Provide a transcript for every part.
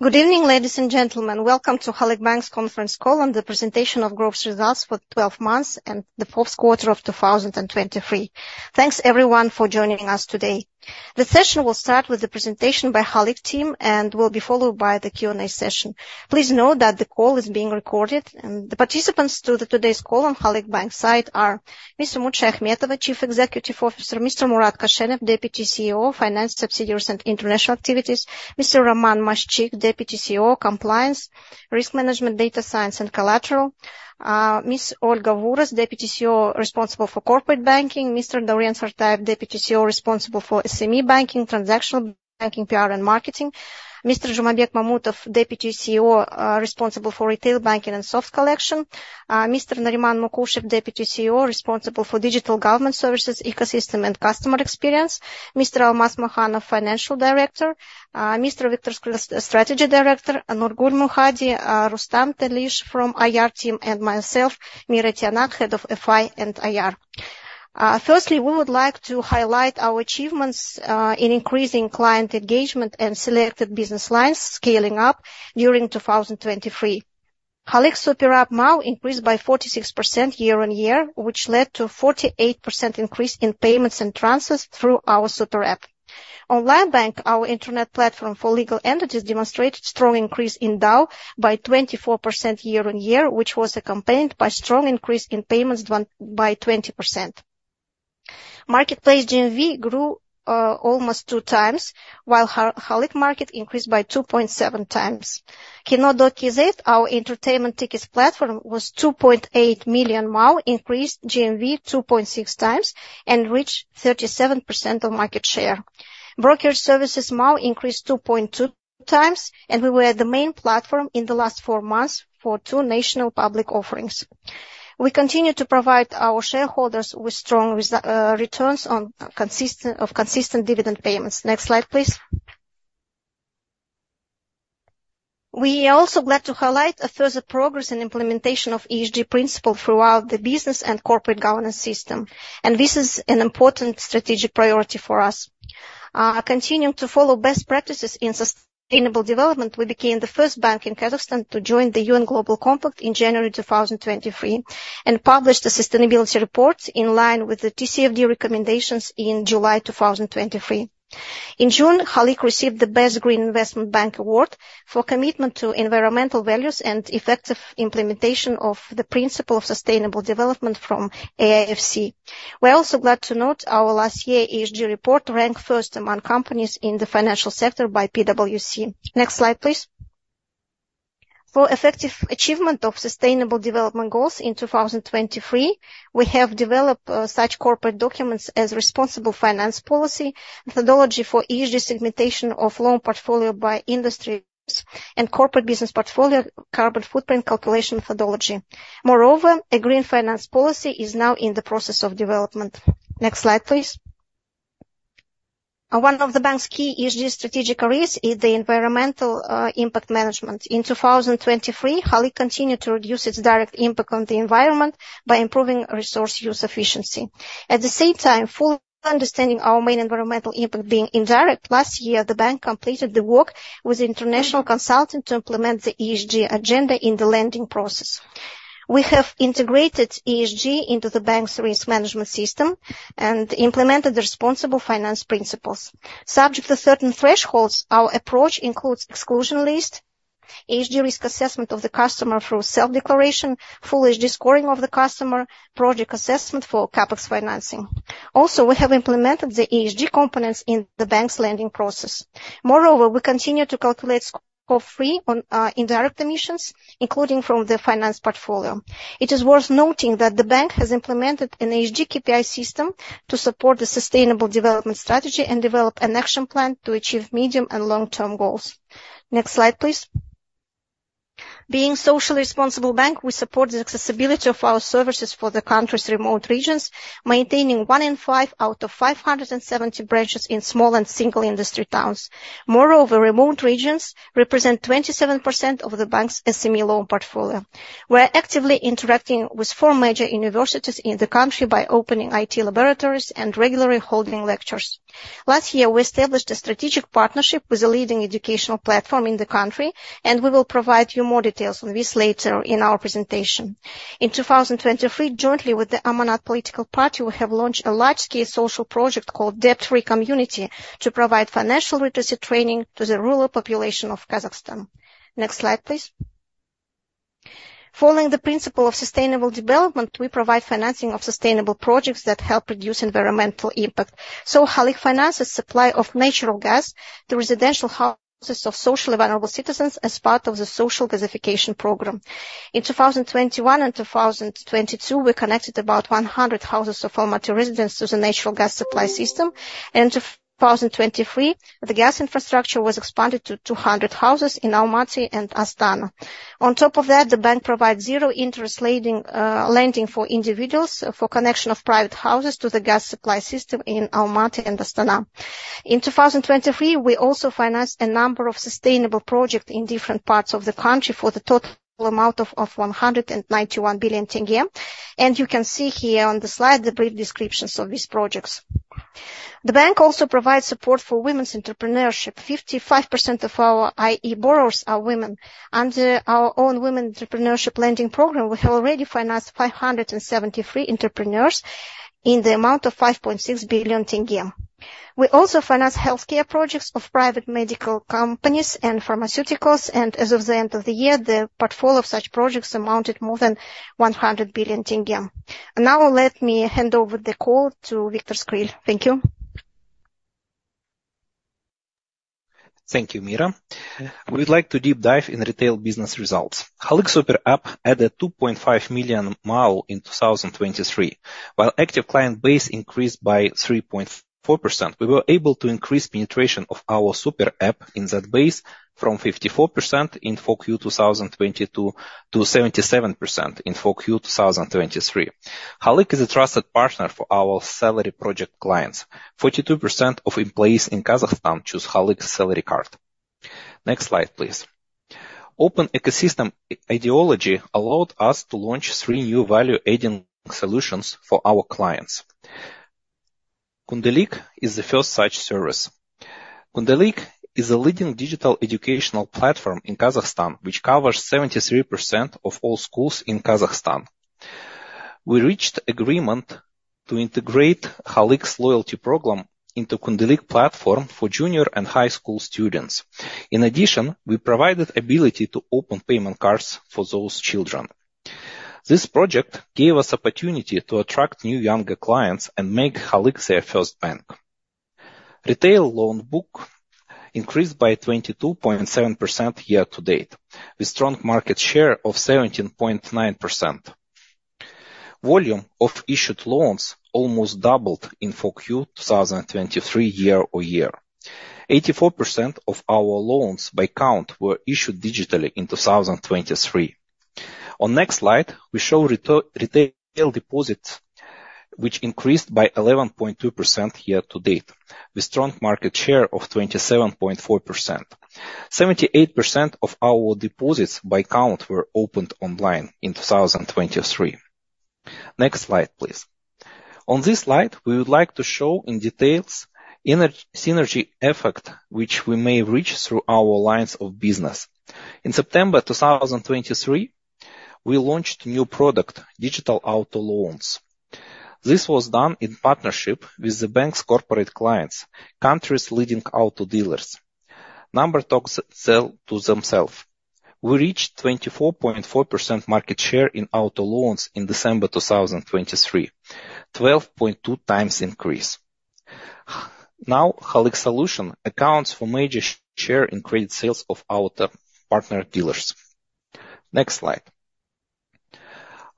Good evening, ladies and gentlemen. Welcome to Halyk Bank's conference call on the presentation of growth results for 12 months and the fourth quarter of 2023. Thanks, everyone, for joining us today. The session will start with the presentation by Halyk team and will be followed by the Q&A session. Please note that the call is being recorded. And the participants to today's call on Halyk Bank's site are Mr. Umut Shayakhmetova, Chief Executive Officer. Mr. Murat Koshenov, Deputy CEO, Finance, Subsidiaries, and International Activities. Mr. Roman Maszczyk, Deputy CEO, Compliance, Risk Management, Data Science, and Collateral. Ms. Olga Vouras, Deputy CEO, Responsible for Corporate Banking. Mr. Dauren Sartayev, Deputy CEO, Responsible for SME Banking, Transactional Banking, PR, and Marketing. Mr. Zhumabek Mamutov, Deputy CEO, Responsible for Retail Banking and Soft Collection. Mr. Nariman Mukushev, Deputy CEO, Responsible for Digital Government Services, Ecosystem, and Customer Experience. Mr. Almas Makhanov, Financial Director; Mr. Viktor Skryl, Strategy Director; Nurgul Mukhadi; Rustam Telish from IR team; and myself, Mira Kasenova, Head of FI and IR. Firstly, we would like to highlight our achievements in increasing client engagement and selected business lines scaling up during 2023. Halyk Super App MAU increased by 46% year-on-year, which led to a 48% increase in payments and transfers through our Super App. Onlinebank, our internet platform for legal entities, demonstrated a strong increase in DAU by 24% year-on-year, which was accompanied by a strong increase in payments by 20%. Marketplace GMV grew almost two times, while Halyk Market increased by 2.7 times. Kino.kz, our entertainment tickets platform, was 2.8 million MAU, increased GMV 2.6 times, and reached 37% of market share. Brokerage services MAU increased 2.2 times, and we were the main platform in the last four months for two national public offerings. We continue to provide our shareholders with strong returns on a consistent basis through consistent dividend payments. Next slide, please. We are also glad to highlight further progress in implementation of ESG principles throughout the business and corporate governance system, and this is an important strategic priority for us. Continuing to follow best practices in sustainable development, we became the first bank in Kazakhstan to join the UN Global Compact in January 2023 and published a sustainability report in line with the TCFD recommendations in July 2023. In June, Halyk received the Best Green Investment Bank Award for commitment to environmental values and effective implementation of the principle of sustainable development from AIFC. We're also glad to note our last year ESG report ranked first among companies in the financial sector by PwC. Next slide, please. For effective achievement of sustainable development goals in 2023, we have developed such corporate documents as Responsible Finance Policy, Methodology for ESG Segmentation of Loan Portfolio by Industries, and Corporate Business Portfolio Carbon Footprint Calculation Methodology. Moreover, a green finance policy is now in the process of development. Next slide, please. One of the bank's key ESG strategic areas is the environmental impact management. In 2023, Halyk continued to reduce its direct impact on the environment by improving resource use efficiency. At the same time, fully understanding our main environmental impact being indirect, last year the bank completed the work with an international consultant to implement the ESG agenda in the lending process. We have integrated ESG into the bank's risk management system and implemented the responsible finance principles. Subject to certain thresholds, our approach includes exclusion list, ESG risk assessment of the customer through self-declaration, full ESG scoring of the customer, project assessment for CapEx financing. Also, we have implemented the ESG components in the bank's lending process. Moreover, we continue to calculate Scope 3 on indirect emissions, including from the finance portfolio. It is worth noting that the bank has implemented an ESG KPI system to support the sustainable development strategy and develop an action plan to achieve medium and long-term goals. Next slide, please. Being a socially responsible bank, we support the accessibility of our services for the country's remote regions, maintaining one in five out of 570 branches in small and single-industry towns. Moreover, remote regions represent 27% of the bank's SME loan portfolio. We're actively interacting with four major universities in the country by opening IT laboratories and regularly holding lectures. Last year, we established a strategic partnership with a leading educational platform in the country, and we will provide you more details on this later in our presentation. In 2023, jointly with the Amanat Political Party, we have launched a large-scale social project called Debt-Free Community to provide financial literacy training to the rural population of Kazakhstan. Next slide, please. Following the principle of sustainable development, we provide financing of sustainable projects that help reduce environmental impact. Halyk finances the supply of natural gas to residential houses of socially vulnerable citizens as part of the Social Gasification Program. In 2021 and 2022, we connected about 100 houses of Almaty residents to the natural gas supply system, and in 2023, the gas infrastructure was expanded to 200 houses in Almaty and Astana. On top of that, the bank provides zero-interest lending for individuals for connection of private houses to the gas supply system in Almaty and Astana. In 2023, we also financed a number of sustainable projects in different parts of the country for the total amount of KZT 191 billion. You can see here on the slide the brief descriptions of these projects. The bank also provides support for women's entrepreneurship. 55% of our, IE, borrowers are women. Under our own Women Entrepreneurship Lending Program, we have already financed 573 entrepreneurs in the amount of KZT 5.6 billion. We also finance healthcare projects of private medical companies and pharmaceuticals, and as of the end of the year, the portfolio of such projects amounted to more than KZT 100 billion. Now, let me hand over the call to Viktor Skryl. Thank you. Thank you, Mira. We'd like to deep dive in retail business results. Halyk Super App added 2.5 million MAU in 2023. While active client base increased by 3.4%, we were able to increase penetration of our Super App in that base from 54% in 4Q 2022 to 77% in 4Q 2023. Halyk is a trusted partner for our salary project clients. 42% of employees in Kazakhstan choose Halyk's salary card. Next slide, please. Open ecosystem ideology allowed us to launch three new value-adding solutions for our clients. Kundalik is the first such service. Kundalik is a leading digital educational platform in Kazakhstan, which covers 73% of all schools in Kazakhstan. We reached agreement to integrate Halyk's loyalty program into Kundalik's platform for junior and high school students. In addition, we provided the ability to open payment cards for those children. This project gave us the opportunity to attract new younger clients and make Halyk their first bank. Retail loan book increased by 22.7% year to date with a strong market share of 17.9%. Volume of issued loans almost doubled in 4Q 2023 year-over-year. 84% of our loans by count were issued digitally in 2023. On the next slide, we show retail deposits, which increased by 11.2% year to date with a strong market share of 27.4%. 78% of our deposits by count were opened online in 2023. Next slide, please. On this slide, we would like to show in detail the synergy effect which we may reach through our lines of business. In September 2023, we launched a new product, digital auto loans. This was done in partnership with the bank's corporate clients, country's leading auto dealers. Numbers talk, sell to themselves. We reached 24.4% market share in auto loans in December 2023, a 12.2x increase. Now, Halyk Solution accounts for a major share in credit sales of auto partner dealers. Next slide.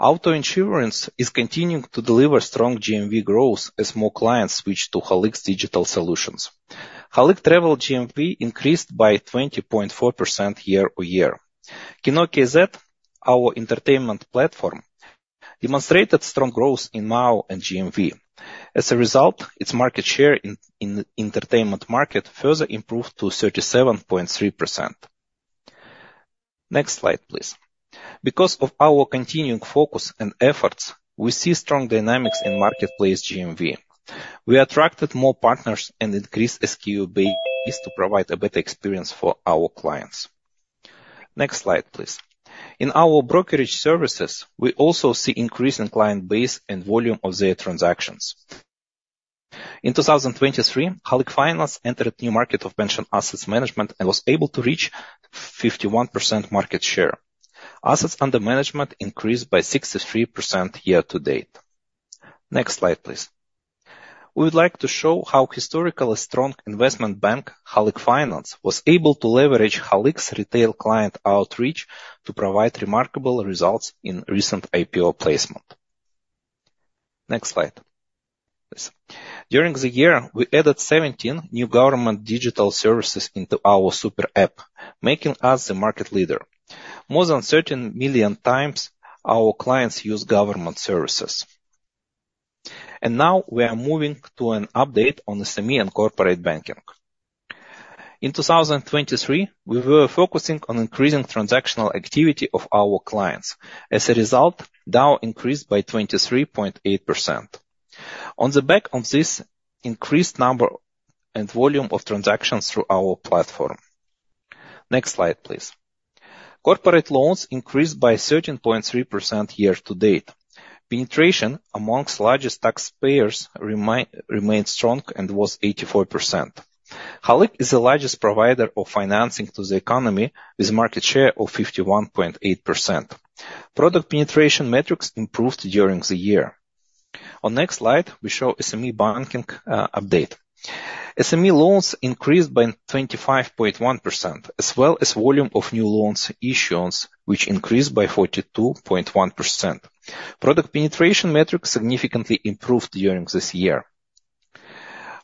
Auto insurance is continuing to deliver strong GMV growth as more clients switch to Halyk's digital solutions. Halyk Travel GMV increased by 20.4% year-over-year. Kino.kz, our entertainment platform, demonstrated strong growth in MAU and GMV. As a result, its market share in the entertainment market further improved to 37.3%. Next slide, please. Because of our continuing focus and efforts, we see strong dynamics in Marketplace GMV. We attracted more partners and increased SKU base to provide a better experience for our clients. Next slide, please. In our brokerage services, we also see an increase in client base and volume of their transactions. In 2023, Halyk Finance entered a new market of pension assets management and was able to reach 51% market share. Assets under management increased by 63% year to date. Next slide, please. We would like to show how historically strong investment bank Halyk Finance was able to leverage Halyk's retail client outreach to provide remarkable results in recent IPO placement. Next slide, please. During the year, we added 17 new government digital services into our Super App, making us the market leader. More than 13 million times our clients use government services. And now, we are moving to an update on SME and corporate banking. In 2023, we were focusing on increasing transactional activity of our clients. As a result, DAU increased by 23.8% on the back of this increased number and volume of transactions through our platform. Next slide, please. Corporate loans increased by 13.3% year to date. Penetration among the largest taxpayers remained strong and was 84%. Halyk is the largest provider of financing to the economy with a market share of 51.8%. Product penetration metrics improved during the year. On the next slide, we show an SME banking update. SME loans increased by 25.1%, as well as the volume of new loans issued, which increased by 42.1%. Product penetration metrics significantly improved during this year.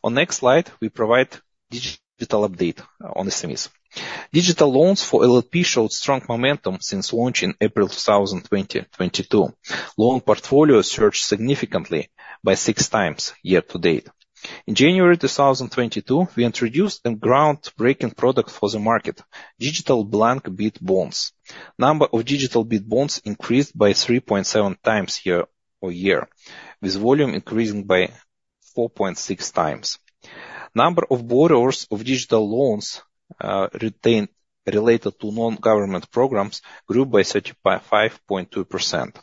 On the next slide, we provide a digital update on SMEs. Digital loans for LLP showed strong momentum since launch in April 2022. Loan portfolios surged significantly by six times year to date. In January 2022, we introduced a groundbreaking product for the market, digital blank bid bonds. The number of digital bid bonds increased by 3.7 times year-over-year, with volume increasing by 4.6 times. The number of borrowers of digital loans, retained related to non-government programs grew by 35.2%.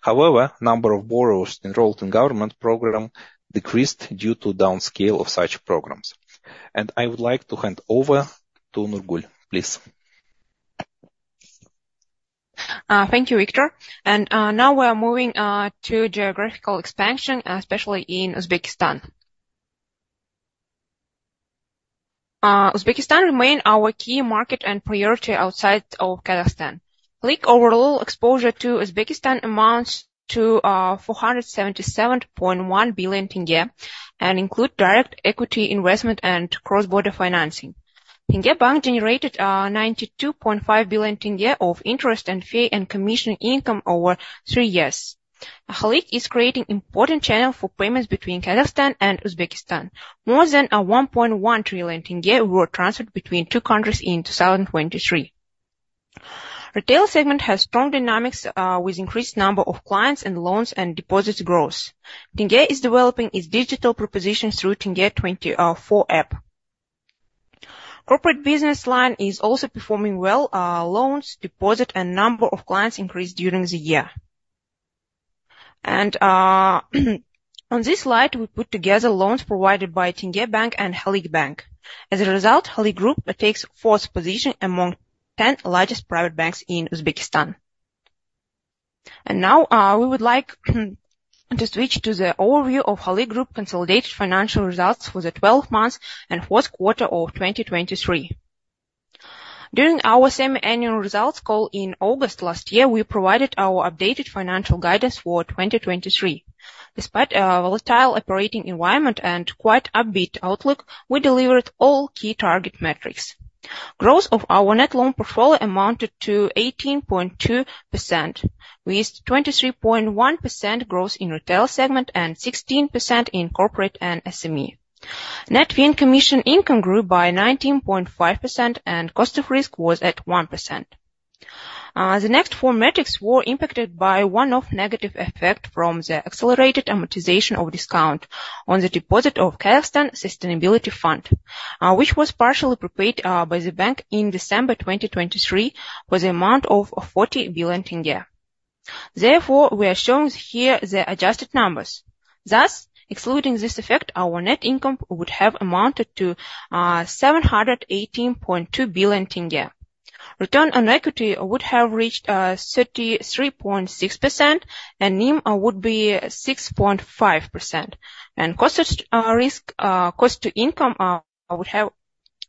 However, the number of borrowers enrolled in government programs decreased due to the downscale of such programs. I would like to hand over to Nurgul, please. Thank you, Viktor. Now we are moving to geographical expansion, especially in Uzbekistan. Uzbekistan remains our key market and priority outside of Kazakhstan. Halyk overall exposure to Uzbekistan amounts to KZT 477.1 billion and includes direct equity investment and cross-border financing. Tenge Bank generated KZT 92.5 billion of interest and fee and commission income over three years. Halyk is creating an important channel for payments between Kazakhstan and Uzbekistan. More than KZT 1.1 trillion were transferred between two countries in 2023. The retail segment has strong dynamics, with an increased number of clients and loans and deposits growth. Tenge is developing its digital proposition through Tenge24 app. The corporate business line is also performing well. Loans, deposits, and the number of clients increased during the year. On this slide, we put together loans provided by Tenge Bank and Halyk Bank. As a result, Halyk Group takes the fourth position among the 10 largest private banks in Uzbekistan. And now, we would like to switch to the overview of Halyk Group's consolidated financial results for the 12 months and fourth quarter of 2023. During our semi-annual results call in August last year, we provided our updated financial guidance for 2023. Despite a volatile operating environment and quite an upbeat outlook, we delivered all key target metrics. Growth of our net loan portfolio amounted to 18.2% with 23.1% growth in the retail segment and 16% in corporate and SME. Net fee and commission income grew by 19.5%, and the cost of risk was at 1%. The next four metrics were impacted by one-off negative effects from the accelerated amortization of discount on the deposit of Kazakhstan Sustainability Fund, which was partially prepaid by the bank in December 2023 for the amount of KZT 40 billion. Therefore, we are showing here the adjusted numbers. Thus, excluding this effect, our net income would have amounted to KZT 718.2 billion. Return on equity would have reached 33.6%, and NIM would be 6.5%. Cost of risk, cost to income, would have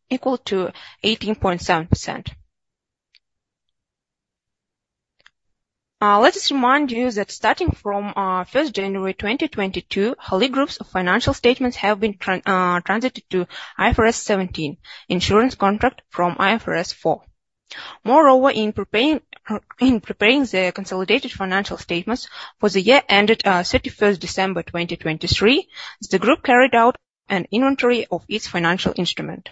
equaled 18.7%. Let us remind you that starting from 1 January 2022, Halyk Group's financial statements have been transitioned to IFRS 17 for insurance contracts from IFRS 4. Moreover, in preparing the consolidated financial statements for the year ended 31 December 2023, the group carried out an inventory of its financial instruments.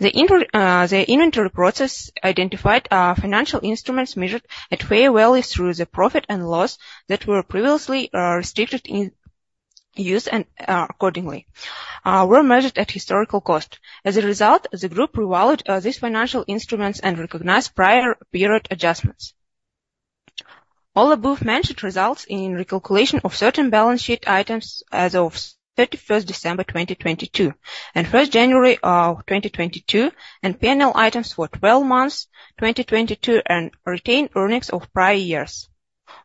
The inventory process identified financial instruments measured at fair values through the profit and loss that were previously restricted in use and, accordingly, were measured at historical cost. As a result, the group revalued these financial instruments and recognized prior period adjustments. All above mentioned results in recalculation of certain balance sheet items as of 31 December 2022 and 1 January 2022, and P&L items for 12 months 2022 and retained earnings of prior years.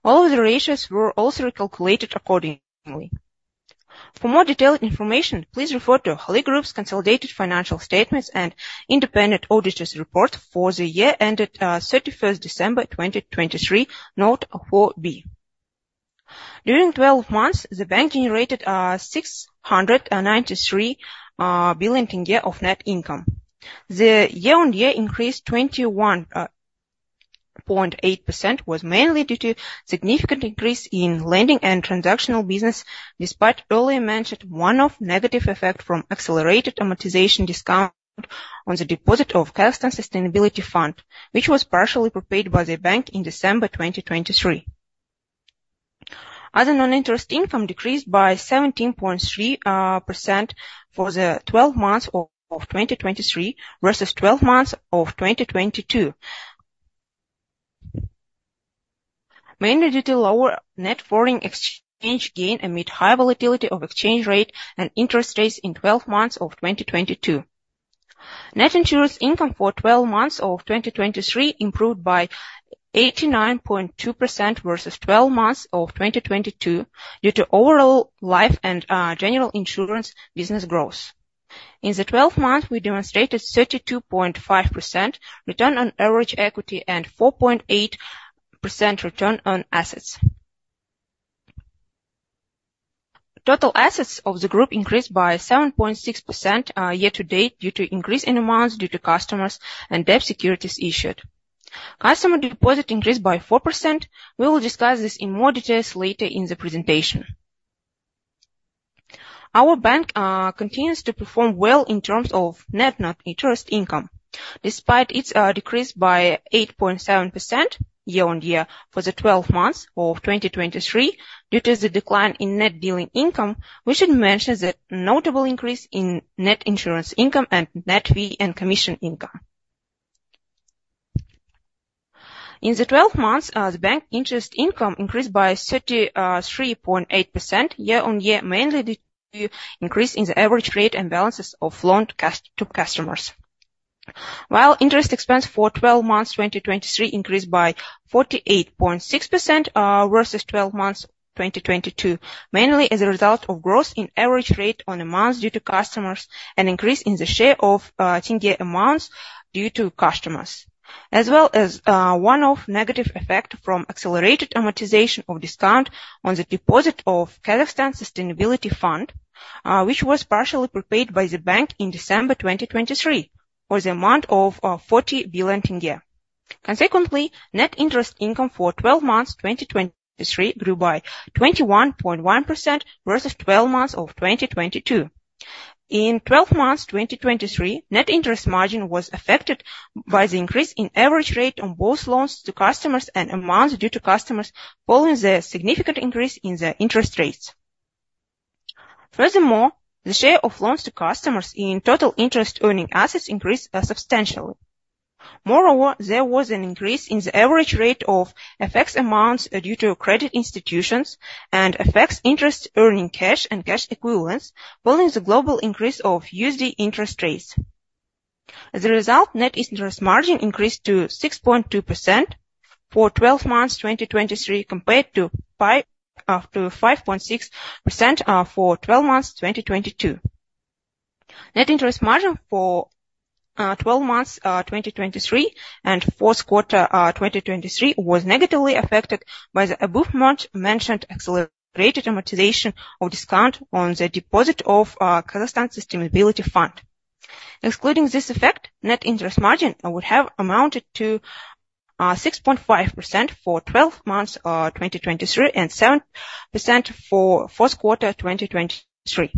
All of the ratios were also recalculated accordingly. For more detailed information, please refer to Halyk Group's consolidated financial statements and independent auditors' report for the year ended 31 December 2023, note 4B. During 12 months, the bank generated KZT 693 billion of net income. The year-on-year increase of 21.8% was mainly due to a significant increase in lending and transactional business despite the earlier mentioned one-off negative effect from accelerated amortization discount on the deposit of Kazakhstan Sustainability Fund, which was partially prepaid by the bank in December 2023. Other non-interest income decreased by 17.3% for the 12 months of 2023 versus 12 months of 2022, mainly due to lower net foreign exchange gain amid high volatility of exchange rate and interest rates in 12 months of 2022. Net insurance income for 12 months of 2023 improved by 89.2% versus 12 months of 2022 due to overall life and general insurance business growth. In the 12 months, we demonstrated 32.5% return on average equity and 4.8% return on assets. Total assets of the group increased by 7.6% year to date due to an increase in amounts due to customers and debt securities issued. Customer deposits increased by 4%. We will discuss this in more detail later in the presentation. Our bank continues to perform well in terms of net interest income. Despite its decrease by 8.7% year-on-year for the 12 months of 2023 due to the decline in net dealing income, we should mention the notable increase in net insurance income and net fee and commission income. In the 12 months, the Bank's interest income increased by 33.8% year-on-year, mainly due to an increase in the average rate and balances of loans to customers. While interest expense for 12 months 2023 increased by 48.6% versus 12 months 2022, mainly as a result of growth in average rate on amounts due to customers and an increase in the share of tenge amounts due to customers, as well as one-off negative effects from accelerated amortization of discount on the deposit of Kazakhstan Sustainability Fund, which was partially prepaid by the bank in December 2023 for the amount of KZT 40 billion. Consequently, net interest income for 12 months 2023 grew by 21.1% versus 12 months of 2022. In 12 months 2023, net interest margin was affected by the increase in average rate on both loans to customers and amounts due to customers following the significant increase in the interest rates. Furthermore, the share of loans to customers in total interest earning assets increased substantially. Moreover, there was an increase in the average rate of FX amounts due to credit institutions and FX interest earning cash and cash equivalents following the global increase of USD interest rates. As a result, net interest margin increased to 6.2% for 12 months 2023 compared to 5.6% for 12 months 2022. Net interest margin for 12 months 2023 and fourth quarter 2023 was negatively affected by the above-mentioned accelerated amortization of discount on the deposit of Kazakhstan Sustainability Fund. Excluding this effect, net interest margin would have amounted to 6.5% for 12 months 2023 and 7% for fourth quarter 2023.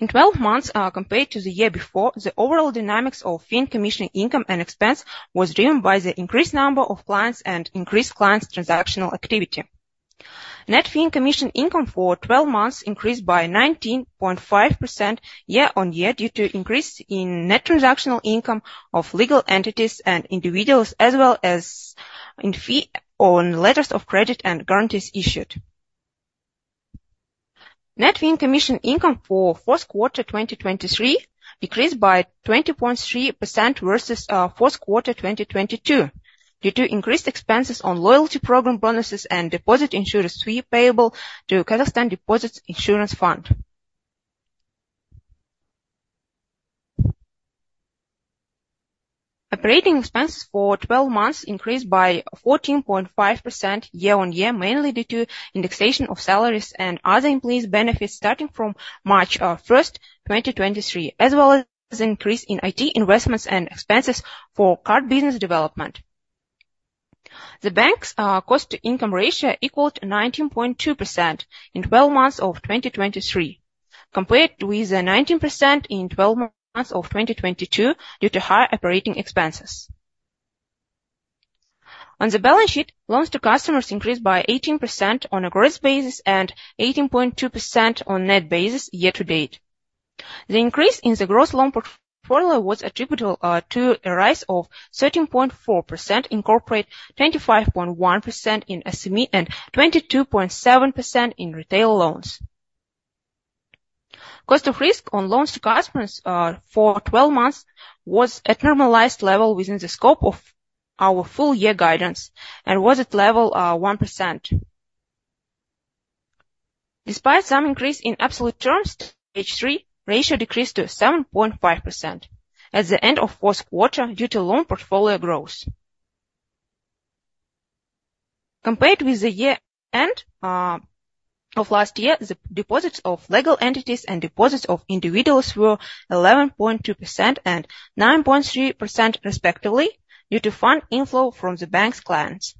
In 12 months compared to the year before, the overall dynamics of fee and commission income and expense were driven by the increased number of clients and increased clients' transactional activity. Net fee and commission income for 12 months increased by 19.5% year-on-year due to an increase in net transactional income of legal entities and individuals, as well as in fee on letters of credit and guarantees issued. Net fee and commission income for fourth quarter 2023 decreased by 20.3% versus fourth quarter 2022 due to increased expenses on loyalty program bonuses and deposit insurance fee payable to Kazakhstan Deposit Insurance Fund. Operating expenses for 12 months increased by 14.5% year-on-year, mainly due to indexation of salaries and other employees' benefits starting from 1 March 2023, as well as an increase in IT investments and expenses for card business development. The bank's cost to income ratio equaled 19.2% in 12 months of 2023 compared with the 19% in 12 months of 2022 due to high operating expenses. On the balance sheet, loans to customers increased by 18% on a gross basis and 18.2% on a net basis year to date. The increase in the gross loan portfolio was attributable to a rise of 13.4% in corporate, 25.1% in SME, and 22.7% in retail loans. Cost of risk on loans to customers for 12 months was at a normalized level within the scope of our full-year guidance and was at the level of 1%. Despite some increase in absolute terms, Stage 3 ratio decreased to 7.5% at the end of fourth quarter due to loan portfolio growth. Compared with the year-end of last year, the deposits of legal entities and deposits of individuals were 11.2% and 9.3% respectively due to fund inflow from the bank's clients.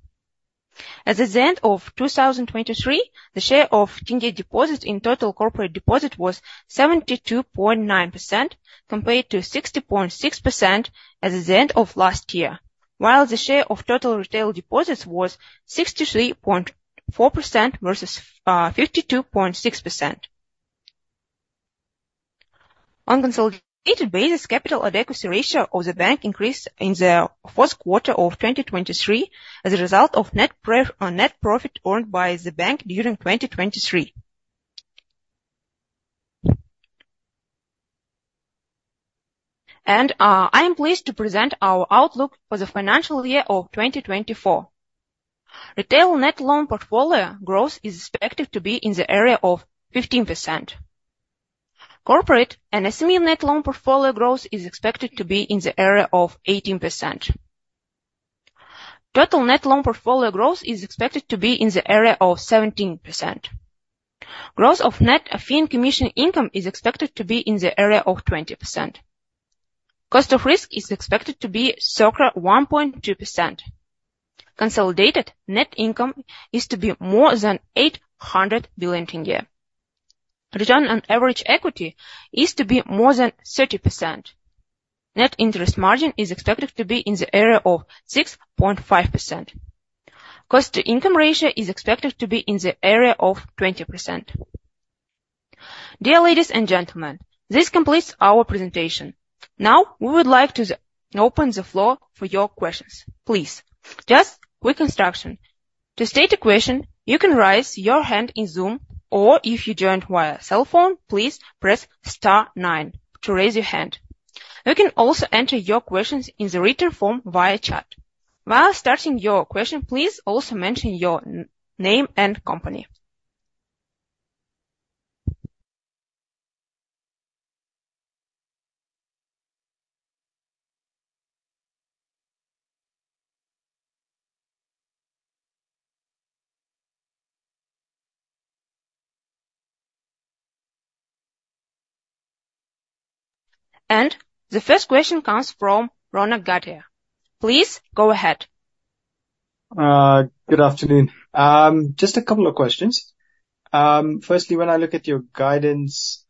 At the end of 2023, the share of tenge deposits in total corporate deposit was 72.9% compared to 60.6% at the end of last year, while the share of total retail deposits was 63.4% versus 52.6%. On a consolidated basis, capital and equity ratio of the bank increased in the fourth quarter of 2023 as a result of net profit earned by the bank during 2023. And I am pleased to present our outlook for the financial year of 2024. Retail net loan portfolio growth is expected to be in the area of 15%. Corporate and SME net loan portfolio growth is expected to be in the area of 18%. Total net loan portfolio growth is expected to be in the area of 17%. Growth of net fee and commission income is expected to be in the area of 20%. Cost of risk is expected to be circa 1.2%. Consolidated net income is to be more than KZT 800 billion. Return on average equity is to be more than 30%. Net interest margin is expected to be in the area of 6.5%. Cost to income ratio is expected to be in the area of 20%. Dear ladies and gentlemen, this completes our presentation. Now we would like to open the floor for your questions. Please, just quick instruction: to state a question, you can raise your hand in Zoom, or if you joined via cell phone, please press star nine to raise your hand. You can also enter your questions in the written form via chat. While starting your question, please also mention your name and company. The first question comes from Ronak Gadhia. Please go ahead. Good afternoon. Just a couple of questions. Firstly, when I look at your guidance,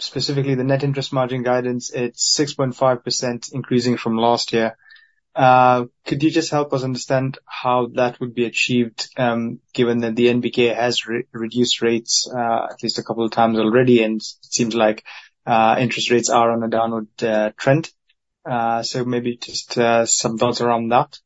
specifically the net interest margin guidance, it's 6.5% increasing from last year. Could you just help us understand how that would be achieved given that the NBK has reduced rates at least a couple of times already, and it seems like interest rates are on a downward trend? So maybe just some thoughts around that.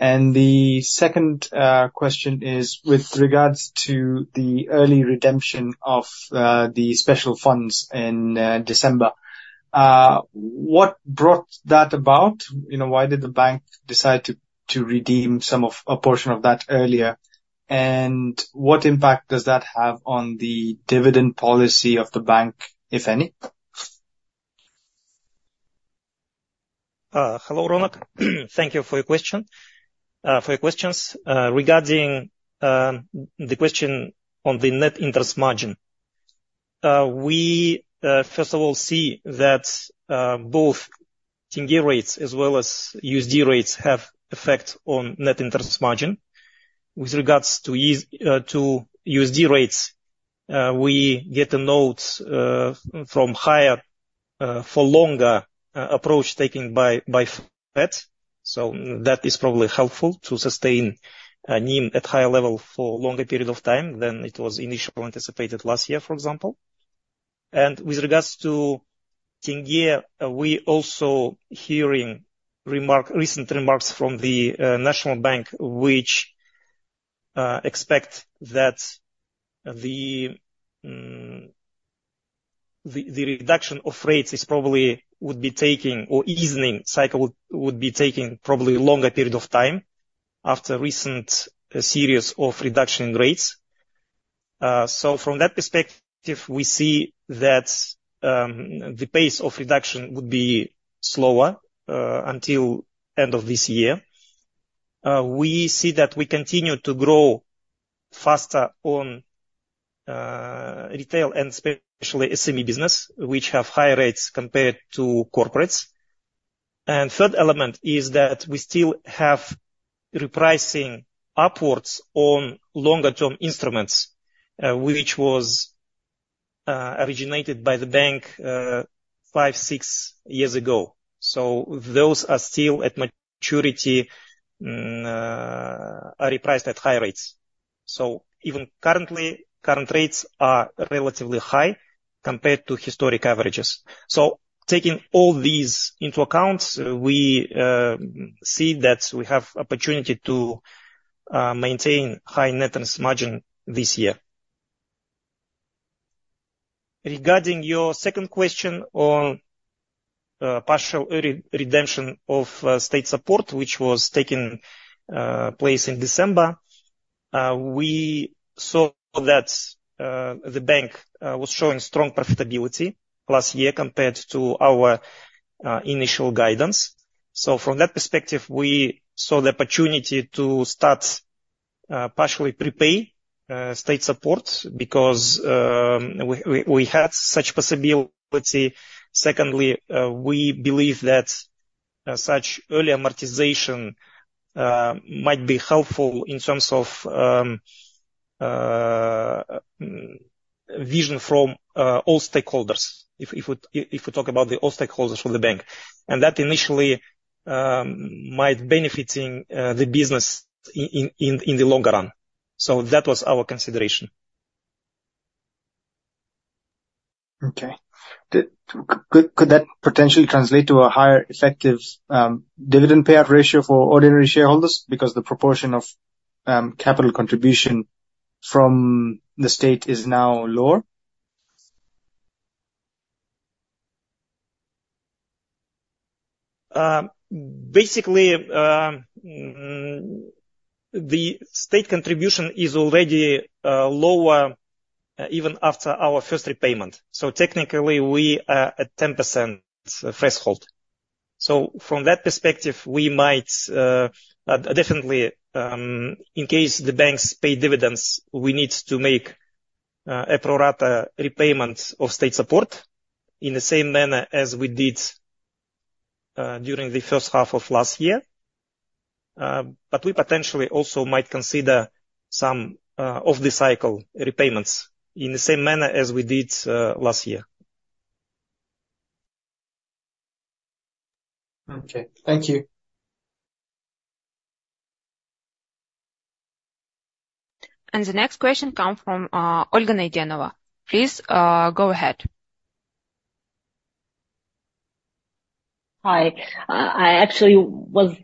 And the second question is with regards to the early redemption of the special funds in December. What brought that about? Why did the bank decide to redeem some of a portion of that earlier, and what impact does that have on the dividend policy of the bank, if any? Hello, Ronak. Thank you for your questions. Regarding the question on the net interest margin, we, first of all, see that both tenge rates as well as USD rates have an effect on net interest margin. With regards to USD rates, we get a note from higher for a longer approach taken by Fed. So that is probably helpful to sustain NIM at a higher level for a longer period of time than it was initially anticipated last year, for example. And with regards to tenge, we are also hearing recent remarks from the National Bank, which expect that the reduction of rates would be taking or easing cycle would be taking probably a longer period of time after a recent series of reduction in rates. So, from that perspective, we see that the pace of reduction would be slower until the end of this year. We see that we continue to grow faster on retail and especially SME business, which have higher rates compared to corporates. The third element is that we still have repricing upwards on longer-term instruments, which was originated by the bank five, six years ago. Those are still at maturity, are repriced at high rates. Even currently, current rates are relatively high compared to historic averages. Taking all these into account, we see that we have the opportunity to maintain a high net interest margin this year. Regarding your second question on partial redemption of state support, which was taking place in December, we saw that the bank was showing strong profitability last year compared to our initial guidance. From that perspective, we saw the opportunity to start partially prepay state support because we had such a possibility. Secondly, we believe that such early amortization might be helpful in terms of vision from all stakeholders, if we talk about all the stakeholders for the bank. That initially might benefit the business in the longer run. That was our consideration. Okay. Could that potentially translate to a higher effective dividend payout ratio for ordinary shareholders because the proportion of capital contribution from the state is now lower? Basically, the state contribution is already lower even after our first repayment. So technically, we are at a 10% threshold. So, from that perspective, we might definitely, in case the banks pay dividends, we need to make a pro-rata repayment of state support in the same manner as we did during the first half of last year. But we potentially also might consider some of the cycle repayments in the same manner as we did last year. Okay. Thank you. The next question comes from Olga Naydenova. Please go ahead. Hi. I actually was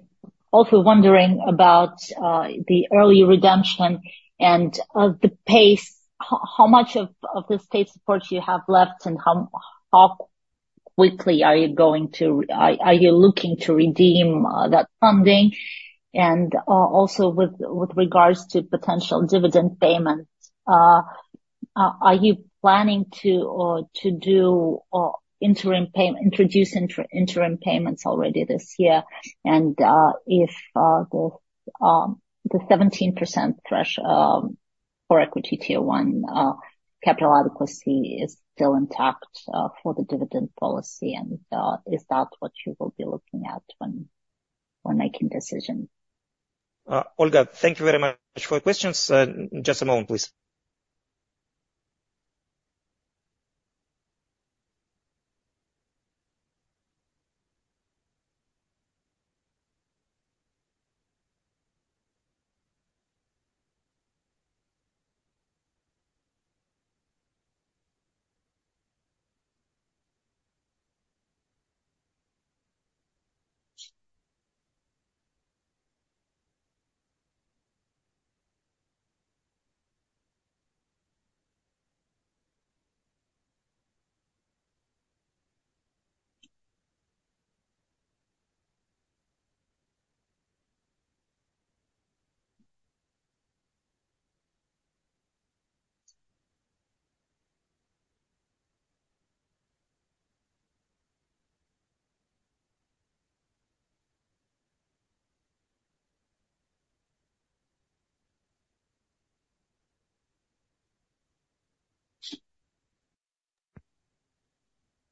also wondering about the early redemption and the pace. How much of the state support do you have left, and how quickly are you looking to redeem that funding? And also, with regards to potential dividend payments, are you planning to do interim payments, introduce interim payments already this year? And if the 17% threshold for equity tier one, capital adequacy is still intact for the dividend policy, is that what you will be looking at when making decisions? Olga, thank you very much for your questions. Just a moment, please.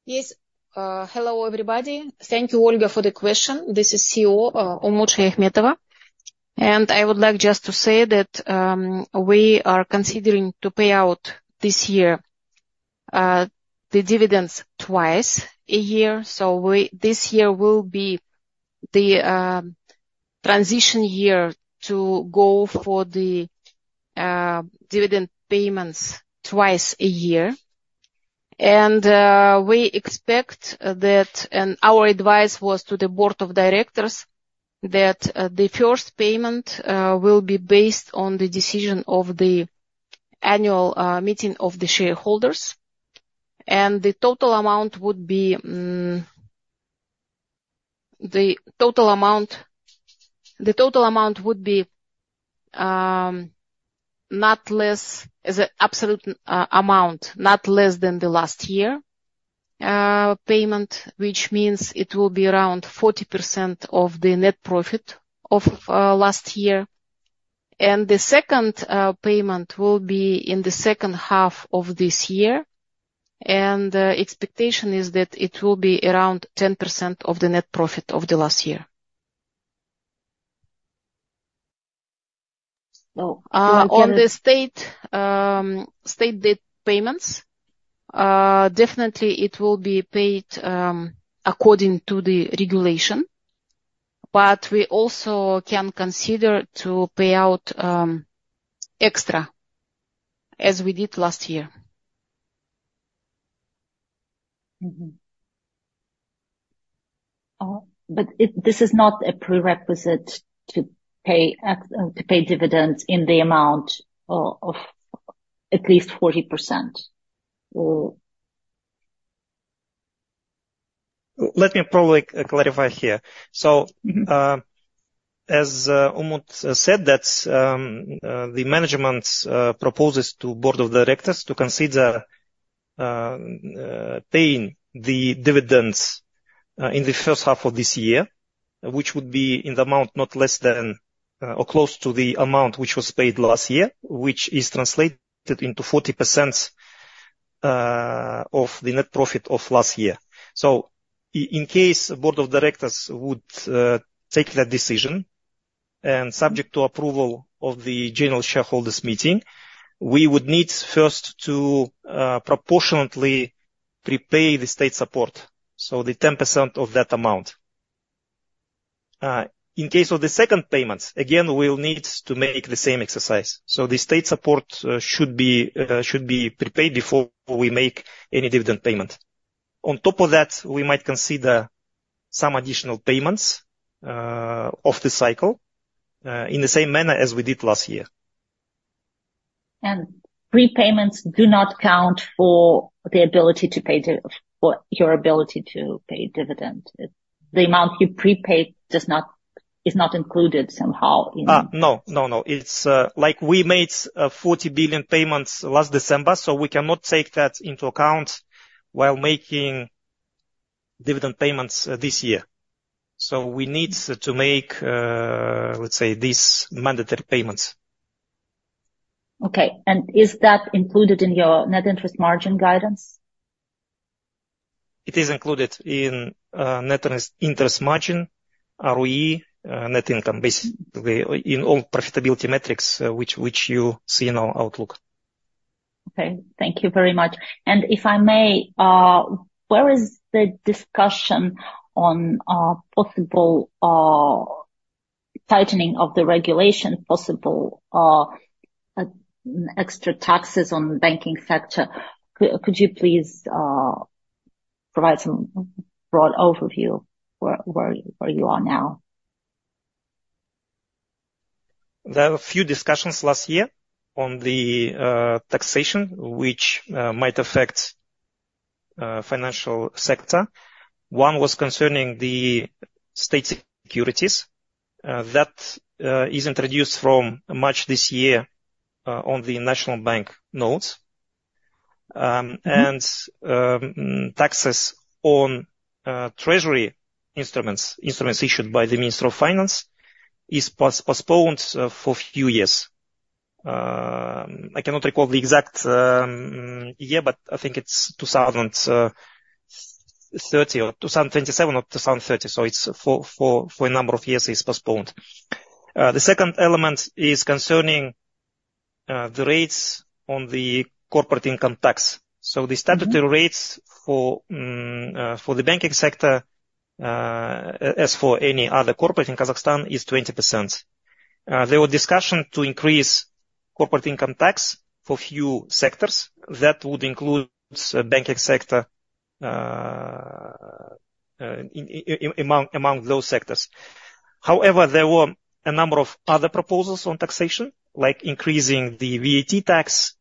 Yes. Hello, everybody. Thank you, Olga, for the question. This is CEO Umut Shayakhmetova. And I would like just to say that we are considering to pay out this year the dividends twice a year. So, this year will be the transition year to go for the dividend payments twice a year. And we expect that our advice was to the board of directors that the first payment will be based on the decision of the annual meeting of the shareholders. And the total amount would be the total amount would be not less as an absolute amount, not less than the last year payment, which means it will be around 40% of the net profit of last year. And the second payment will be in the second half of this year. And the expectation is that it will be around 10% of the net profit of the last year. On the state debt payments, definitely, it will be paid according to the regulation. But we also can consider to pay out extra as we did last year. This is not a prerequisite to pay dividends in the amount of at least 40%? Let me probably clarify here. So, as Umut said, that's the management's proposal to the board of directors to consider paying the dividends in the first half of this year, which would be in the amount not less than or close to the amount which was paid last year, which is translated into 40% of the net profit of last year. So, in case the board of directors would take that decision and subject to approval of the general shareholders' meeting, we would need first to proportionately prepay the state support, so the 10% of that amount. In case of the second payment, again, we'll need to make the same exercise. So, the state support should be prepaid before we make any dividend payment. On top of that, we might consider some additional payments of the cycle in the same manner as we did last year. Prepayments do not count for the ability to pay for your ability to pay dividend. The amount you prepaid is not included somehow in. No, no, no. It's like we made KZT 40 billion payments last December, so we cannot take that into account while making dividend payments this year. So, we need to make, let's say, these mandatory payments. Okay. And is that included in your net interest margin guidance? It is included in Net Interest Margin, ROE, net income, basically in all profitability metrics which you see in our outlook. Okay. Thank you very much. And if I may, where is the discussion on possible tightening of the regulation, possible extra taxes on the banking sector? Could you please provide some broad overview where you are now? There were a few discussions last year on the taxation, which might affect the financial sector. One was concerning the state securities. That is introduced from March this year on the National Bank notes. Taxes on treasury instruments issued by the Minister of Finance are postponed for a few years. I cannot recall the exact year, but I think it's 2030 or 2027 or 2030. It's for a number of years it's postponed. The second element is concerning the rates on the corporate income tax. The statutory rates for the banking sector, as for any other corporate in Kazakhstan, are 20%. There was discussion to increase corporate income tax for a few sectors. That would include the banking sector among those sectors. However, there were a number of other proposals on taxation, like increasing the VAT tax,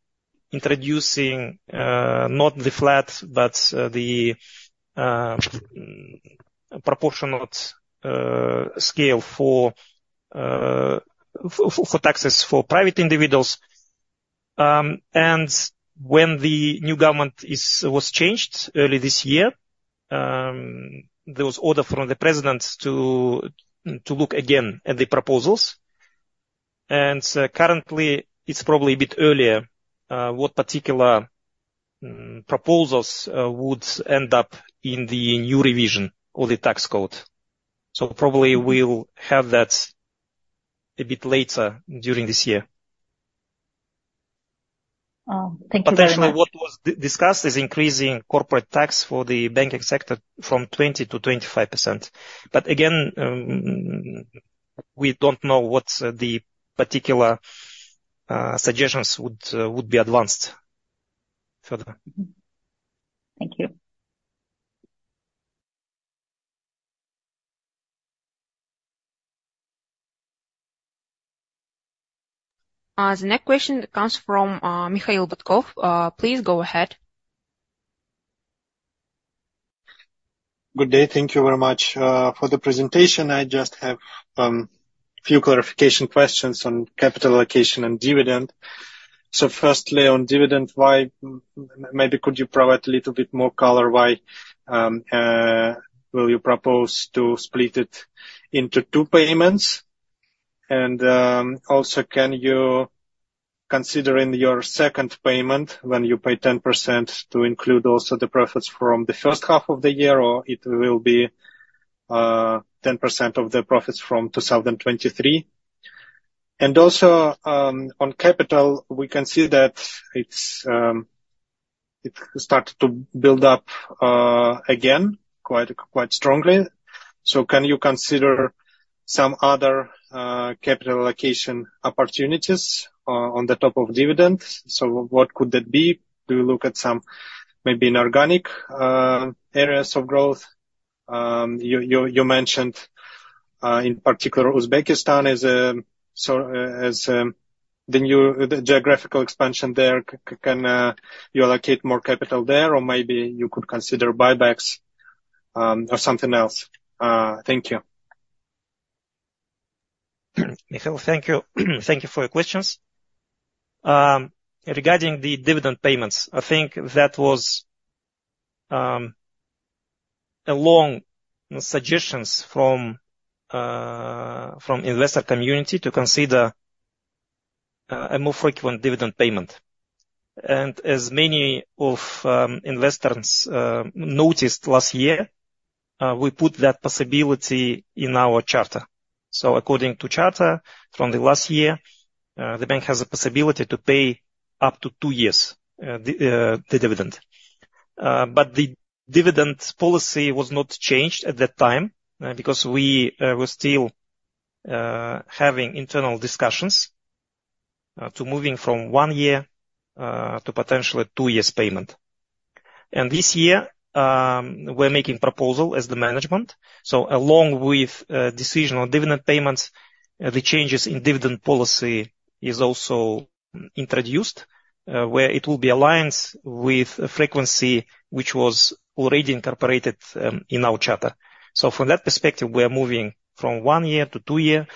introducing not the flat, but the proportional scale for taxes for private individuals. When the new government was changed early this year, there was an order from the president to look again at the proposals. Currently, it's probably a bit earlier what particular proposals would end up in the new revision of the tax code. Probably we'll have that a bit later during this year. Thank you very much. Potentially, what was discussed is increasing corporate tax for the banking sector from 20% to 25%. But again, we don't know what the particular suggestions would be advanced further. Thank you. The next question comes from Mikhail Butkov. Please go ahead. Good day. Thank you very much for the presentation. I just have a few clarification questions on capital allocation and dividend. Firstly, on dividend, maybe could you provide a little bit more color? Why will you propose to split it into two payments? And also, can you consider in your second payment, when you pay 10%, to include also the profits from the first half of the year, or it will be 10% of the profits from 2023? On capital, we can see that it started to build up again quite strongly. Can you consider some other capital allocation opportunities on top of dividends? What could that be? Do you look at some maybe inorganic areas of growth? You mentioned, in particular, Uzbekistan as the new geographical expansion there. Can you allocate more capital there, or maybe you could consider buybacks or something else? else? Thank you. Mikhail, thank you for your questions. Regarding the dividend payments, I think that was a long suggestion from the investor community to consider a more frequent dividend payment. As many investors noticed last year, we put that possibility in our charter. According to the charter from last year, the bank has the possibility to pay up to two years the dividend. But the dividend policy was not changed at that time because we were still having internal discussions to moving from one year to potentially a two-year payment. This year, we're making a proposal as the management. Along with the decision on dividend payments, the changes in dividend policy are also introduced where it will be aligned with the frequency which was already incorporated in our charter. From that perspective, we are moving from one year to two years.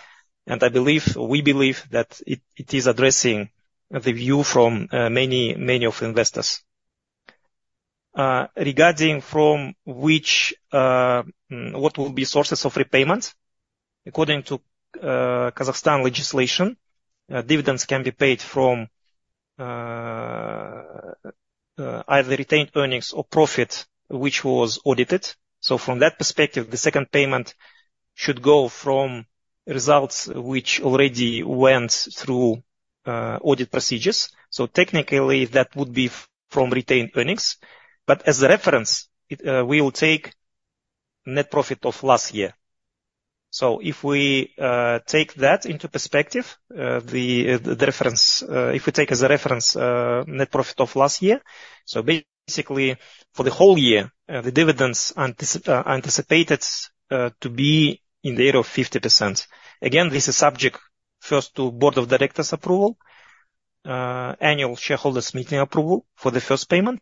I believe we believe that it is addressing the view from many of the investors. Regarding what will be the sources of repayment, according to Kazakhstan legislation, dividends can be paid from either retained earnings or profit which was audited. So from that perspective, the second payment should go from results which already went through audit procedures. So technically, that would be from retained earnings. But as a reference, we will take the net profit of last year. So if we take that into perspective, the reference if we take as a reference the net profit of last year, so basically, for the whole year, the dividends are anticipated to be in the area of 50%. Again, this is subject first to the board of directors' approval, annual shareholders' meeting approval for the first payment,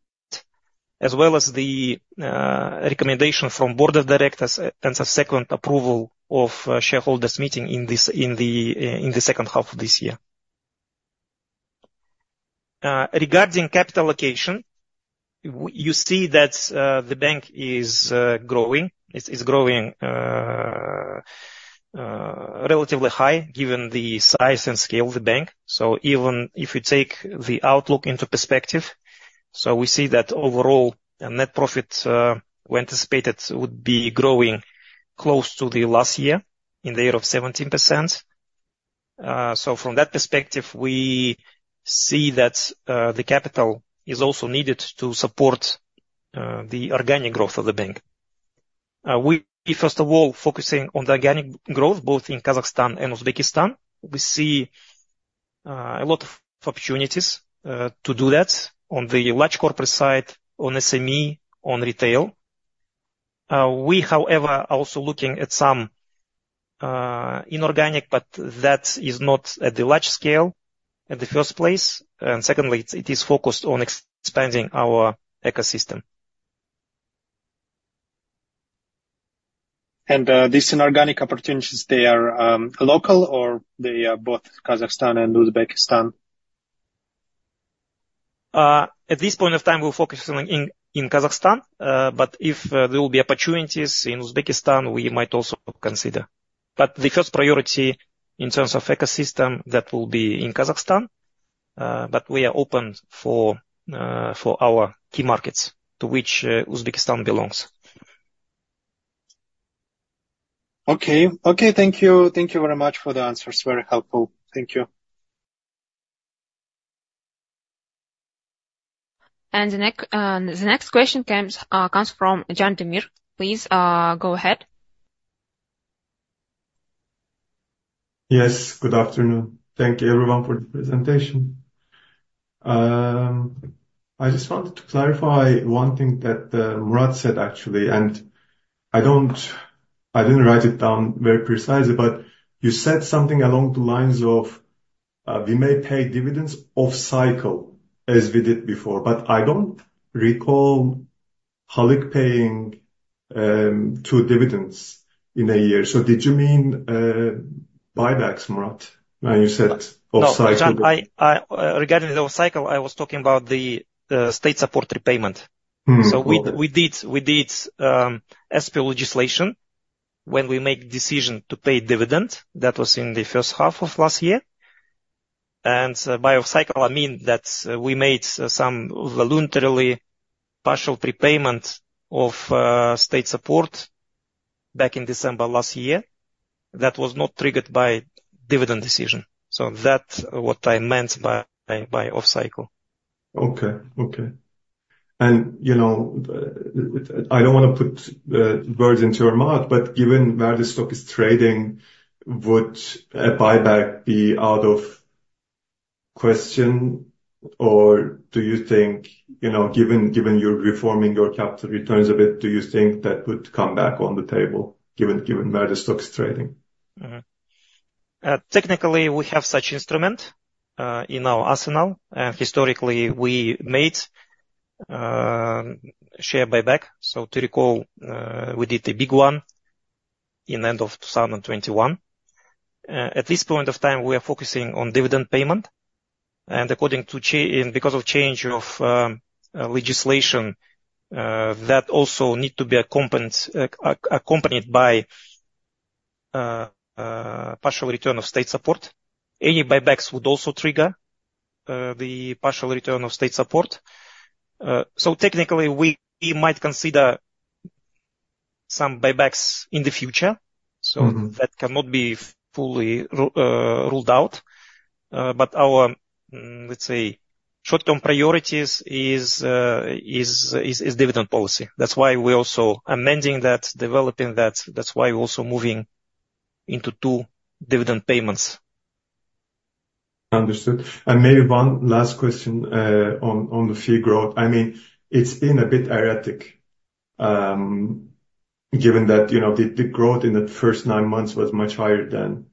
as well as the recommendation from the board of directors and the second approval of the shareholders' meeting in the second half of this year. Regarding capital allocation, you see that the bank is growing. It's growing relatively high given the size and scale of the bank. So even if you take the outlook into perspective, we see that overall, the net profit we anticipated would be growing close to last year in the area of 17%. So from that perspective, we see that the capital is also needed to support the organic growth of the bank. First of all, focusing on the organic growth, both in Kazakhstan and Uzbekistan, we see a lot of opportunities to do that on the large corporate side, on SME, on retail. We, however, are also looking at some inorganic, but that is not at the large scale in the first place. Secondly, it is focused on expanding our ecosystem. These inorganic opportunities, they are local, or they are both in Kazakhstan and Uzbekistan? At this point in time, we're focusing on Kazakhstan. If there will be opportunities in Uzbekistan, we might also consider. The first priority in terms of the ecosystem, that will be in Kazakhstan. We are open for our key markets to which Uzbekistan belongs. Okay. Okay. Thank you. Thank you very much for the answers. Very helpful. Thank you. The next question comes from Can Demir. Please go ahead. Yes. Good afternoon. Thank you, everyone, for the presentation. I just wanted to clarify one thing that Murat said, actually. And I didn't write it down very precisely, but you said something along the lines of, "We may pay dividends off cycle as we did before." But I don't recall Halyk paying two dividends in a year. So, did you mean buybacks, Murat, when you said off cycle? No. Regarding the off cycle, I was talking about the state support repayment. We did SPO legislation when we made the decision to pay dividends. That was in the first half of last year. By off cycle, I mean that we made some voluntary partial repayment of state support back in December last year that was not triggered by a dividend decision. That's what I meant by off cycle. Okay. Okay. And I don't want to put words into your mouth, but given where the stock is trading, would a buyback be out of question? Or do you think, given you're reforming your capital returns a bit, do you think that would come back on the table given where the stock is trading? Technically, we have such an instrument in our arsenal. Historically, we made share buybacks. To recall, we did a big one in the end of 2021. At this point in time, we are focusing on dividend payment. Because of the change of legislation, that also needs to be accompanied by a partial return of state support. Any buybacks would also trigger the partial return of state support. Technically, we might consider some buybacks in the future. That cannot be fully ruled out. Our, let's say, short-term priority is dividend policy. That's why we are also amending that, developing that. That's why we are also moving into two dividend payments. Understood. And maybe one last question on the fee growth. I mean, it's been a bit erratic given that the growth in the first nine months was much higher than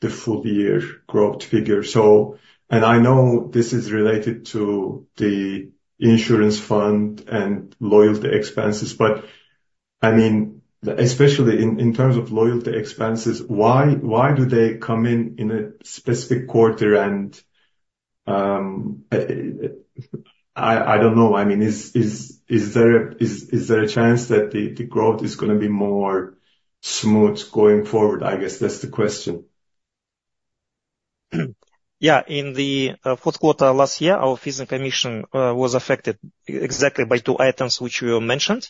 the full-year growth figure. And I know this is related to the insurance fund and loyalty expenses. But I mean, especially in terms of loyalty expenses, why do they come in in a specific quarter? And I don't know. I mean, is there a chance that the growth is going to be more smooth going forward? I guess that's the question. Yeah. In the fourth quarter last year, our fees and commission were affected exactly by two items which you mentioned.